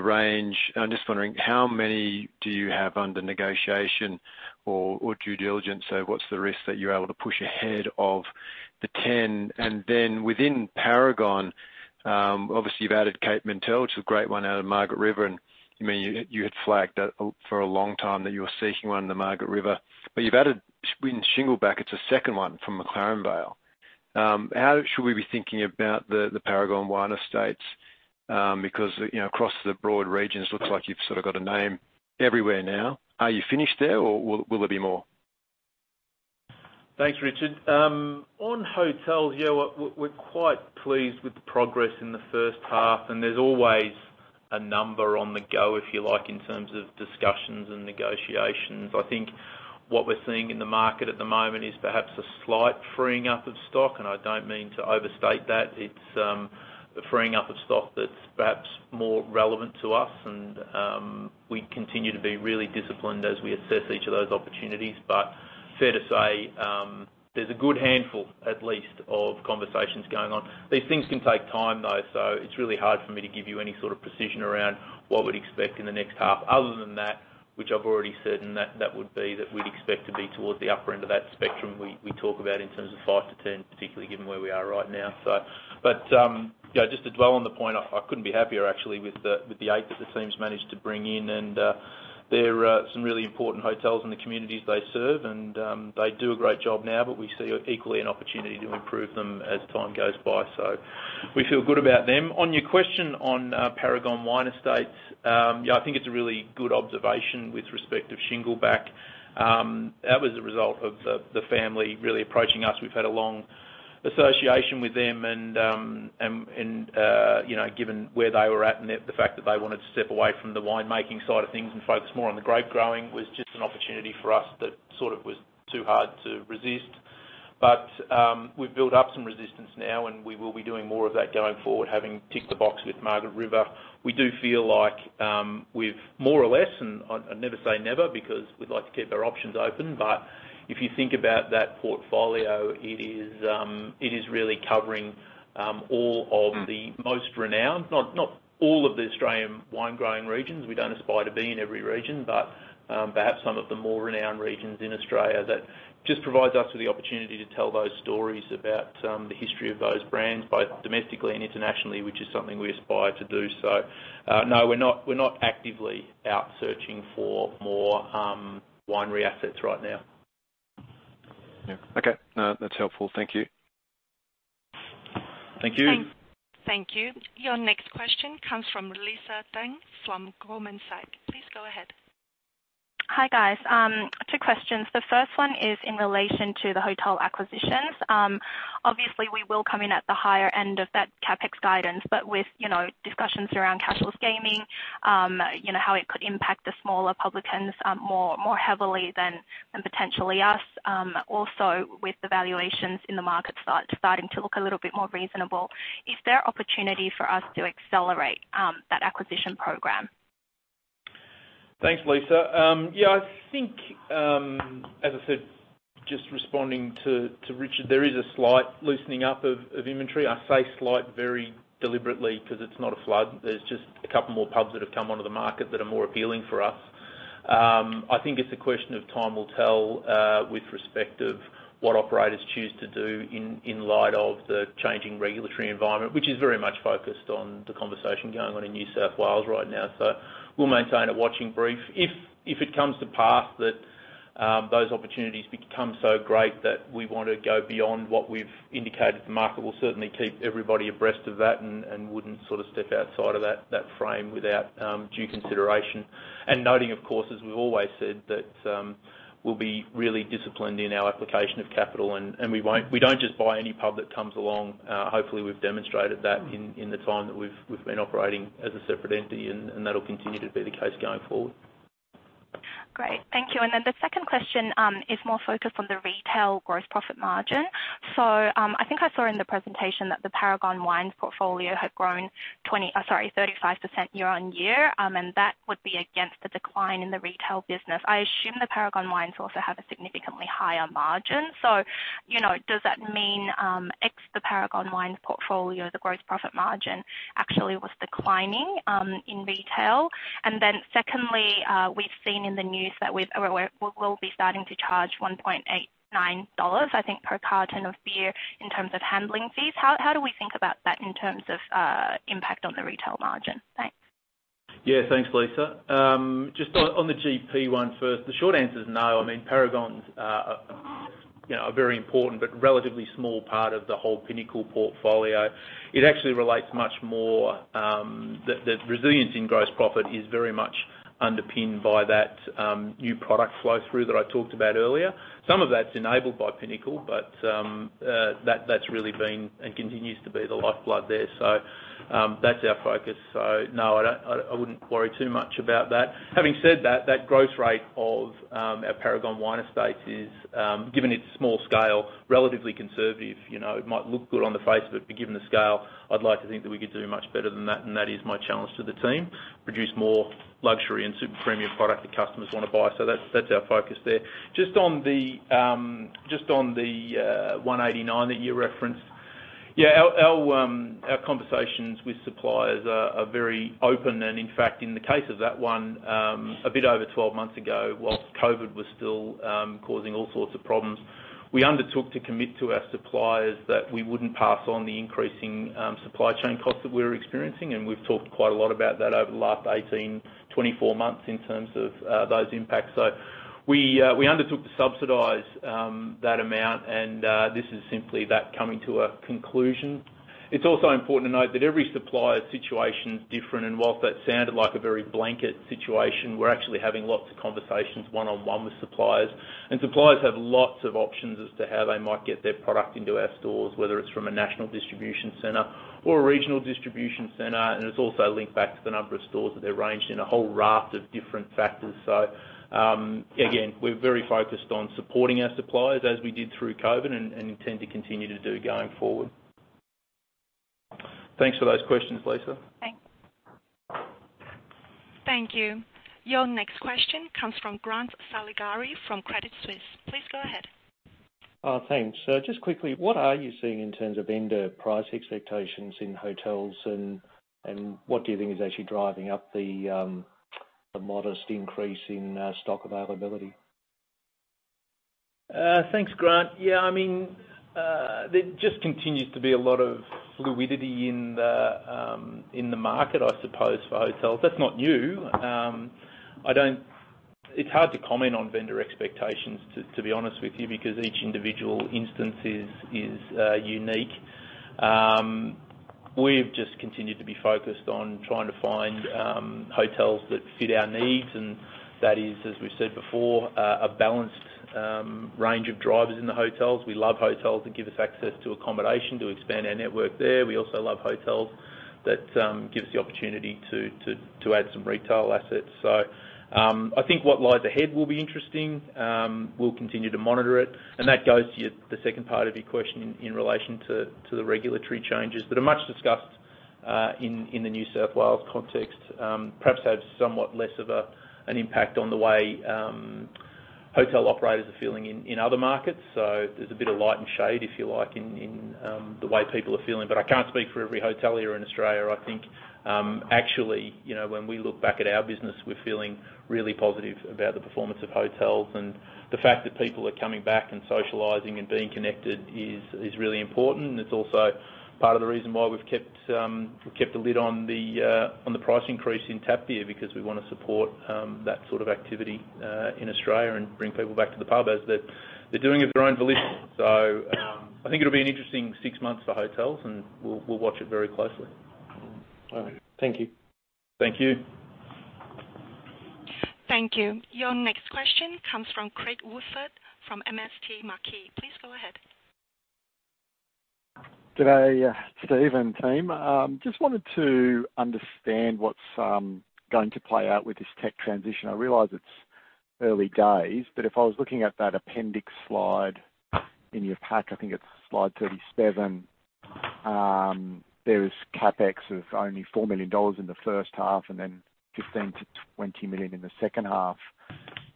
range. I'm just wondering how many do you have under negotiation or due diligence? What's the risk that you're able to push ahead of the 10? Within Paragon, obviously you've added Cape Mentelle to a great one out of Margaret River, and you had flagged that for a long time that you were seeking one in the Margaret River. You've added Shingleback. It's a second one from McLaren Vale. How should we be thinking about the Paragon Wine Estates? Because, you know, across the broad regions, looks like you've sort of got a name everywhere now. Are you finished there or will there be more? Thanks, Richard. On hotels, we're quite pleased with the progress in the first half, and there's always a number on the go, if you like, in terms of discussions and negotiations. I think what we're seeing in the market at the moment is perhaps a slight freeing up of stock, and I don't mean to overstate that. It's a freeing up of stock that's perhaps more relevant to us and we continue to be really disciplined as we assess each of those opportunities. Fair to say, there's a good handful, at least, of conversations going on. These things can take time though. It's really hard for me to give you any sort of precision around what we'd expect in the next half other than that, which I've already said, and that would be that we'd expect to be towards the upper end of that spectrum we talk about in terms of 5-10, particularly given where we are right now. You know, just to dwell on the point, I couldn't be happier actually with the eight that the teams managed to bring in. They're some really important hotels in the communities they serve and they do a great job now, but we see equally an opportunity to improve them as time goes by. We feel good about them. On your question on Paragon Wine Estates, yeah, I think it's a really good observation with respect to Shingleback. That was a result of the family really approaching us. We've had a long association with them and, you know, given where they were at and the fact that they wanted to step away from the wine-making side of things and focus more on the grape growing was just an opportunity for us that sort of was too hard to resist. We've built up some resistance now, and we will be doing more of that going forward, having ticked the box with Margaret River. We do feel like we've more or less, and I never say never because we'd like to keep our options open. If you think about that portfolio, it is, it is really covering, all of the most renowned, not all of the Australian wine growing regions. We don't aspire to be in every region, but perhaps some of the more renowned regions in Australia. That just provides us with the opportunity to tell those stories about the history of those brands, both domestically and internationally, which is something we aspire to do. No, we're not, we're not actively out searching for more winery assets right now. Yeah. Okay. No, that's helpful. Thank you. Thank you. Thank you. Your next question comes from Lisa Deng from Goldman Sachs. Please go ahead. Hi, guys. Two questions. The first one is in relation to the hotel acquisitions. Obviously, we will come in at the higher end of that CapEx guidance, but with discussions around casual gaming, how it could impact the smaller publicans, more heavily than potentially us, also with the valuations in the market starting to look a little bit more reasonable. Is there opportunity for us to accelerate that acquisition program? Thanks, Lisa. I think, as I said, just responding to Richard, there is a slight loosening up of inventory. I say slight very deliberately 'cause it's not a flood. There's just a couple more pubs that have come onto the market that are more appealing for us. I think it's a question of time will tell with respect of what operators choose to do in light of the changing regulatory environment, which is very much focused on the conversation going on in New South Wales right now. We'll maintain a watching brief. If it comes to pass that those opportunities become so great that we wanna go beyond what we've indicated to the market, we'll certainly keep everybody abreast of that and wouldn't sort of step outside of that frame without due consideration. Noting, of course, as we've always said, that we'll be really disciplined in our application of capital and we don't just buy any pub that comes along. Hopefully we've demonstrated that in the time that we've been operating as a separate entity, and that'll continue to be the case going forward. Great. Thank you. The second question is more focused on the retail gross profit margin. I think I saw in the presentation that the Paragon Wines portfolio had grown 35% year-on-year, and that would be against the decline in the retail business. I assume the Paragon Wines also have a significantly higher margin. You know, does that mean, ex the Paragon Wines portfolio, the gross profit margin actually was declining in retail? Secondly, we'll be starting to charge 1.89 dollars, I think, per carton of beer in terms of handling fees. How do we think about that in terms of impact on the retail margin? Thanks. Yeah. Thanks, Lisa. Just on the GP one first, the short answer is no. I mean, Paragon's, you know, a very important but relatively small part of the whole Pinnacle portfolio. It actually relates much more, the resilience in gross profit is very much underpinned by that new product flow through that I talked about earlier. Some of that's enabled by Pinnacle, but that's really been and continues to be the lifeblood there. That's our focus. No, I wouldn't worry too much about that. Having said that growth rate of our Paragon Wine Estates is given its small scale, relatively conservative. You know, it might look good on the face of it, but given the scale, I'd like to think that we could do much better than that, and that is my challenge to the team, produce more luxury and super premium product that customers wanna buy. So that's our focus there. Just on the 189 that you referenced. Yeah, our conversations with suppliers are very open, and in fact, in the case of that one, a bit over 12 months ago, whilst COVID was still causing all sorts of problems, we undertook to commit to our suppliers that we wouldn't pass on the increasing supply chain costs that we were experiencing. And we've talked quite a lot about that over the last 18, 24 months in terms of those impacts. We undertook to subsidize that amount and this is simply that coming to a conclusion. It's also important to note that every supplier situation is different, and whilst that sounded like a very blanket situation, we're actually having lots of conversations one-on-one with suppliers. Suppliers have lots of options as to how they might get their product into our stores, whether it's from a national distribution center or a regional distribution center, and it's also linked back to the number of stores that they're ranged in a whole raft of different factors. Again, we're very focused on supporting our suppliers as we did through COVID and intend to continue to do going forward. Thanks for those questions, Lisa. Thanks. Thank you. Your next question comes from Grant Saligari from Credit Suisse. Please go ahead. Thanks. Just quickly, what are you seeing in terms of vendor price expectations in hotels and what do you think is actually driving up the modest increase in stock availability? Thanks, Grant. Yeah, I mean, there just continues to be a lot of fluidity in the market, I suppose, for hotels. That's not new. It's hard to comment on vendor expectations, to be honest with you, because each individual instance is unique. We've just continued to be focused on trying to find hotels that fit our needs, and that is, as we've said before, a balanced range of drivers in the hotels. We love hotels that give us access to accommodation to expand our network there. We also love hotels that give us the opportunity to add some retail assets. I think what lies ahead will be interesting. We'll continue to monitor it. That goes to the second part of your question in relation to the regulatory changes that are much discussed in the New South Wales context, perhaps have somewhat less of an impact on the way hotel operators are feeling in other markets. There's a bit of light and shade, if you like, in the way people are feeling. I can't speak for every hotelier in Australia. I think, actually, you know, when we look back at our business, we're feeling really positive about the performance of hotels. The fact that people are coming back and socializing and being connected is really important. It's also part of the reason why we've kept a lid on the price increase in tap beer because we wanna support that sort of activity in Australia and bring people back to the pub as they're doing of their own volition. I think it'll be an interesting six months for hotels, and we'll watch it very closely. All right. Thank you. Thank you. Thank you. Your next question comes from Craig Woolford from MST Marquee. Please go ahead. Good day, Steve and team. Just wanted to understand what's going to play out with this tech transition. I realize it's early days, but if I was looking at that appendix slide in your pack, I think it's slide 37, there is CapEx of only 4 million dollars in the first half and then 15 million-20 million in the second half.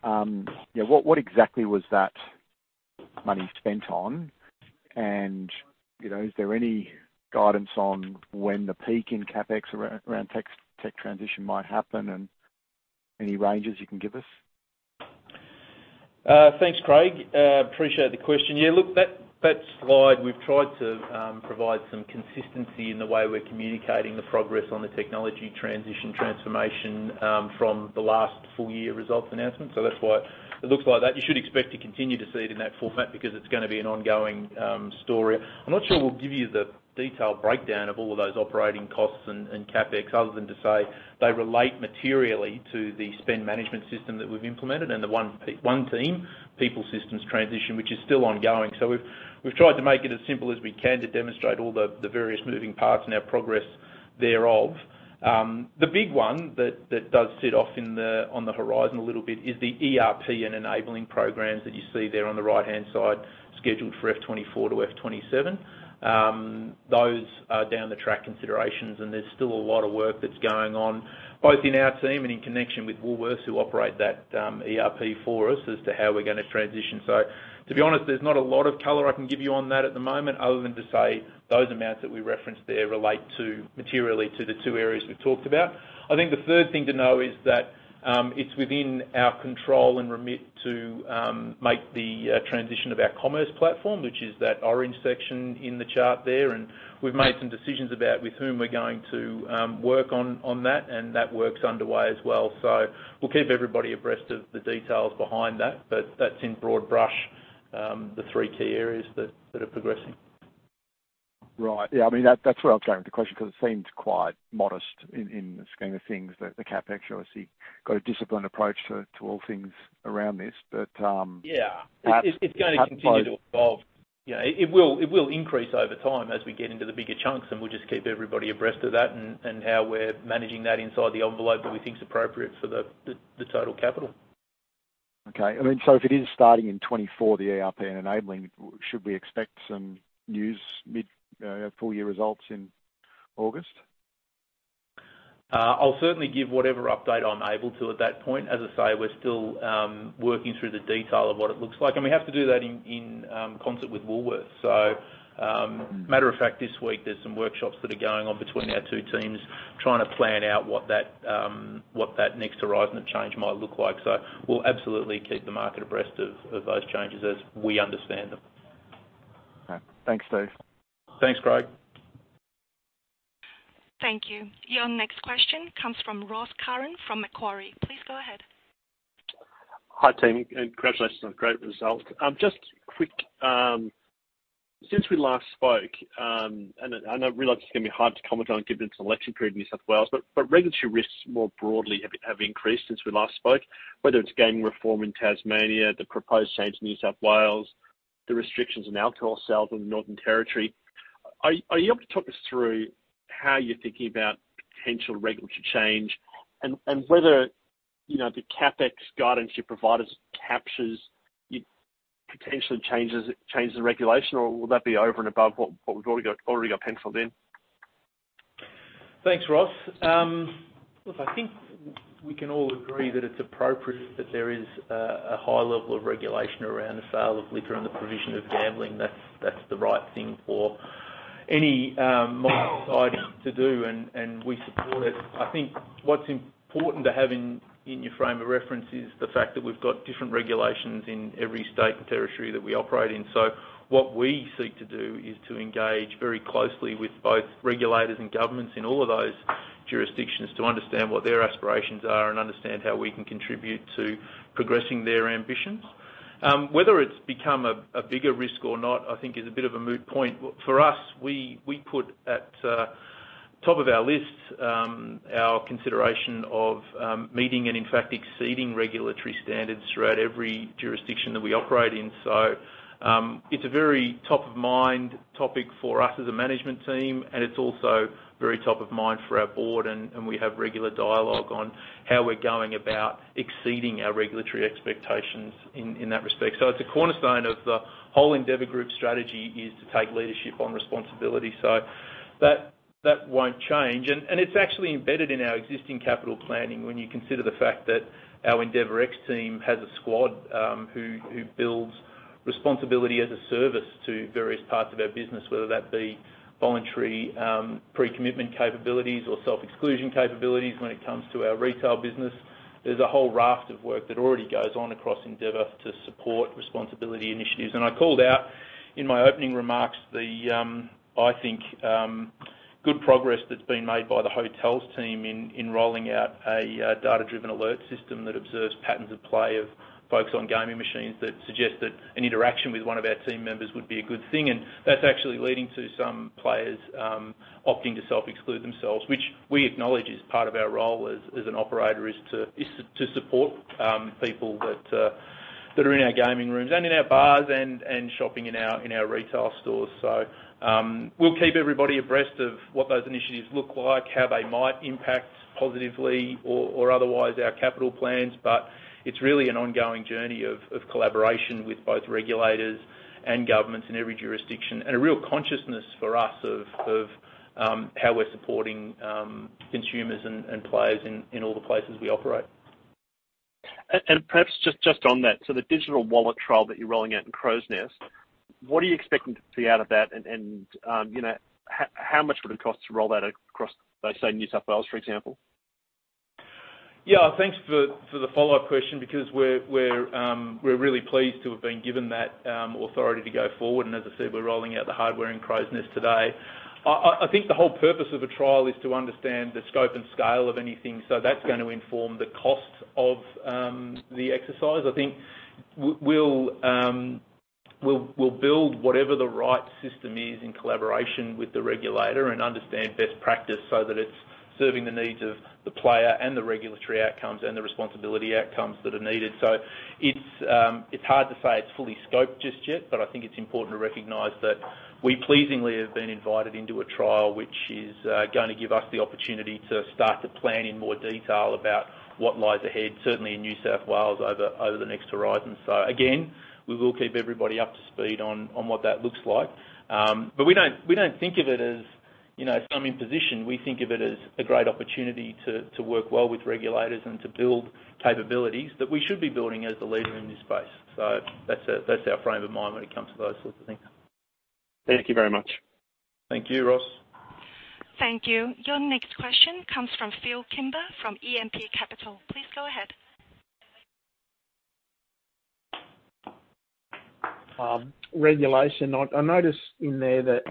Yeah, what exactly was that money spent on? You know, is there any guidance on when the peak in CapEx around tech transition might happen and any ranges you can give us? Thanks, Craig. Appreciate the question. That, that slide, we've tried to provide some consistency in the way we're communicating the progress on the technology transition transformation from the last full-year results announcement. That's why it looks like that. You should expect to continue to see it in that format because it's gonna be an ongoing story. I'm not sure we'll give you the detailed breakdown of all of those operating costs and CapEx other than to say they relate materially to the spend management system that we've implemented and the One Team people systems transition, which is still ongoing. We've tried to make it as simple as we can to demonstrate all the various moving parts and our progress thereof. The big one that does sit off on the horizon a little bit is the ERP and enabling programs that you see there on the right-hand side, scheduled for F 2024 to F 2027. Those are down the track considerations, and there's still a lot of work that's going on both in our team and in connection with Woolworths, who operate that, ERP for us as to how we're gonna transition. To be honest, there's not a lot of color I can give you on that at the moment other than to say those amounts that we referenced there relate materially to the two areas we've talked about. I think the third thing to know is that, it's within our control and remit to make the transition of our commerce platform, which is that orange section in the chart there. We've made some decisions about with whom we're going to work on that, and that work's underway as well. We'll keep everybody abreast of the details behind that. That's in broad brush, the three key areas that are progressing. Right. Yeah. I mean, that's where I'm coming with the question 'cause it seems quite modest in the scheme of things that the CapEx, obviously got a disciplined approach to all things around this. Yeah. Perhaps- It's going to continue to evolve. You know, it will increase over time as we get into the bigger chunks, and we'll just keep everybody abreast of that and how we're managing that inside the envelope that we think is appropriate for the total capital. Okay. I mean, if it is starting in 2024, the ERP and enabling, should we expect some news mid full-year results in August? I'll certainly give whatever update I'm able to at that point. As I say, we're still working through the detail of what it looks like. We have to do that in concert with Woolworths. Matter of fact, this week there's some workshops that are going on between our two teams trying to plan out what that next horizon of change might look like. We'll absolutely keep the market abreast of those changes as we understand them. All right. Thanks, Steve. Thanks, Craig. Thank you. Your next question comes from Ross Curran from Macquarie. Please go ahead. Hi, team, and congratulations on a great result. Just quick, since we last spoke, and I realize it's gonna be hard to comment on given it's an election period in New South Wales, but regulatory risks more broadly have increased since we last spoke, whether it's gaming reform in Tasmania, the proposed changes in New South Wales, the restrictions on alcohol sales in the Northern Territory. Are you able to talk us through how you're thinking about potential regulatory change and whether, you know, the CapEx guidance you provide us captures potentially changes in regulation, or will that be over and above what we've already got penciled in? Thanks, Ross. Look, I think we can all agree that it's appropriate that there is a high level of regulation around the sale of liquor and the provision of gambling. That's the right thing for any modern society to do, and we support it. I think what's important to have in your frame of reference is the fact that we've got different regulations in every state and territory that we operate in. What we seek to do is to engage very closely with both regulators and governments in all of those jurisdictions to understand what their aspirations are and understand how we can contribute to progressing their ambitions. Whether it's become a bigger risk or not, I think is a bit of a moot point. For us, we put at top of our list, our consideration of meeting and in fact exceeding regulatory standards throughout every jurisdiction that we operate in. It's a very top-of-mind topic for us as a management team, and it's also very top of mind for our board, and we have regular dialogue on how we're going about exceeding our regulatory expectations in that respect. It's a cornerstone of the whole Endeavour Group strategy is to take leadership on responsibility. That won't change. It's actually embedded in our existing capital planning when you consider the fact that our EndeavourX team has a squad who builds responsibility as a service to various parts of our business, whether that be voluntary pre-commitment capabilities or self-exclusion capabilities when it comes to our retail business. There's a whole raft of work that already goes on across Endeavour Group to support responsibility initiatives. I called out in my opening remarks the good progress that's been made by the hotels team in rolling out a data-driven alert system that observes patterns of play of folks on gaming machines that suggest that an interaction with one of our team members would be a good thing. That's actually leading to some players opting to self-exclude themselves, which we acknowledge is part of our role as an operator, is to support people that are in our gaming rooms and in our bars and shopping in our retail stores. We'll keep everybody abreast of what those initiatives look like, how they might impact positively or otherwise our capital plans. It's really an ongoing journey of collaboration with both regulators and governments in every jurisdiction, and a real consciousness for us of how we're supporting consumers and players in all the places we operate. Perhaps just on that, so the digital wallet trial that you're rolling out in Crows Nest, what are you expecting to see out of that? You know, how much would it cost to roll that across, let's say, New South Wales, for example? Yeah. Thanks for the, for the follow-up question because we're really pleased to have been given that authority to go forward. As I said, we're rolling out the hardware in Crows Nest today. I think the whole purpose of a trial is to understand the scope and scale of anything. That's gonna inform the cost of the exercise. I think we'll build whatever the right system is in collaboration with the regulator and understand best practice so that it's serving the needs of the player and the regulatory outcomes and the responsibility outcomes that are needed. It's hard to say it's fully scoped just yet, but I think it's important to recognize that we pleasingly have been invited into a trial which is going to give us the opportunity to start to plan in more detail about what lies ahead, certainly in New South Wales over the next horizon. Again, we will keep everybody up to speed on what that looks like. But we don't think of it as, you know, some imposition. We think of it as a great opportunity to work well with regulators and to build capabilities that we should be building as the leader in this space. That's our frame of mind when it comes to those sorts of things. Thank you very much. Thank you, Ross. Thank you. Your next question comes from Phil Kimber, from E&P Capital. Please go ahead. Regulation. I noticed in there that,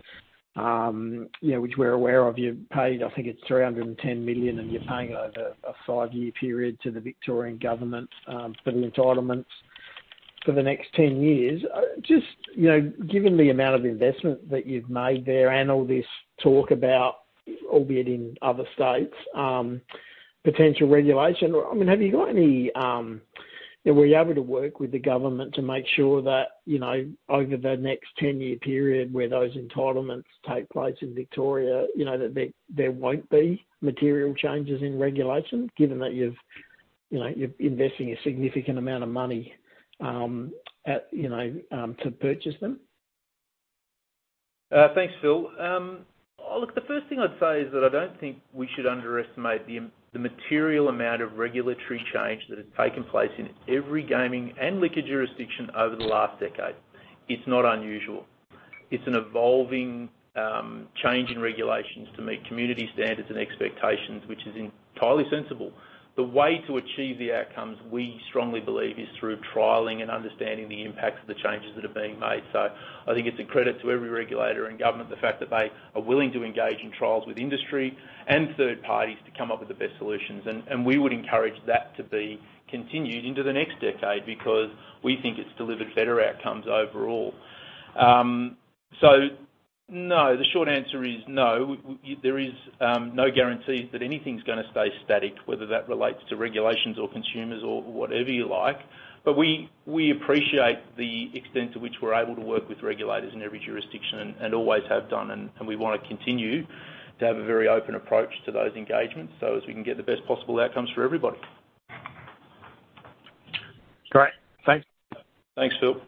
you know, which we're aware of, you paid, I think it's 310 million, and you're paying it over a five-year period to the Victorian government for the entitlements for the next 10 years. Just, you know, given the amount of investment that you've made there and all this talk about, albeit in other states, potential regulation, I mean, were you able to work with the government to make sure that, you know, over the next 10-year period where those entitlements take place in Victoria, you know, that there won't be material changes in regulation given that you've, you know, you're investing a significant amount of money, at, you know, to purchase them? Thanks, Phil. Look, the first thing I'd say is that I don't think we should underestimate the material amount of regulatory change that has taken place in every gaming and liquor jurisdiction over the last decade. It's not unusual. It's an evolving change in regulations to meet community standards and expectations, which is entirely sensible. The way to achieve the outcomes, we strongly believe, is through trialing and understanding the impacts of the changes that are being made. I think it's a credit to every regulator and government the fact that they are willing to engage in trials with industry and third parties to come up with the best solutions. We would encourage that to be continued into the next decade because we think it's delivered better outcomes overall. No. The short answer is no. There is no guarantees that anything's gonna stay static, whether that relates to regulations or consumers or whatever you like. We appreciate the extent to which we're able to work with regulators in every jurisdiction and always have done, and we wanna continue to have a very open approach to those engagements so as we can get the best possible outcomes for everybody. Great. Thanks. Thanks, Phil.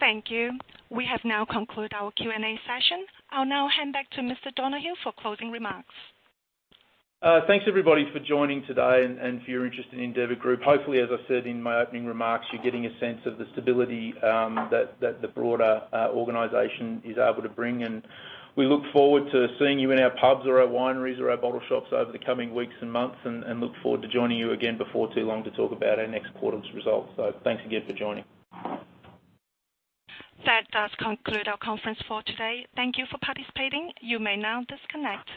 Thank you. We have now concluded our Q&A session. I'll now hand back to Mr. Donohue for closing remarks. Thanks everybody for joining today and for your interest in Endeavour Group. Hopefully, as I said in my opening remarks, you're getting a sense of the stability that the broader organization is able to bring. We look forward to seeing you in our pubs or our wineries or our bottle shops over the coming weeks and months, and look forward to joining you again before too long to talk about our next quarter's results. Thanks again for joining. That does conclude our conference for today. Thank You for participating. You may now disconnect.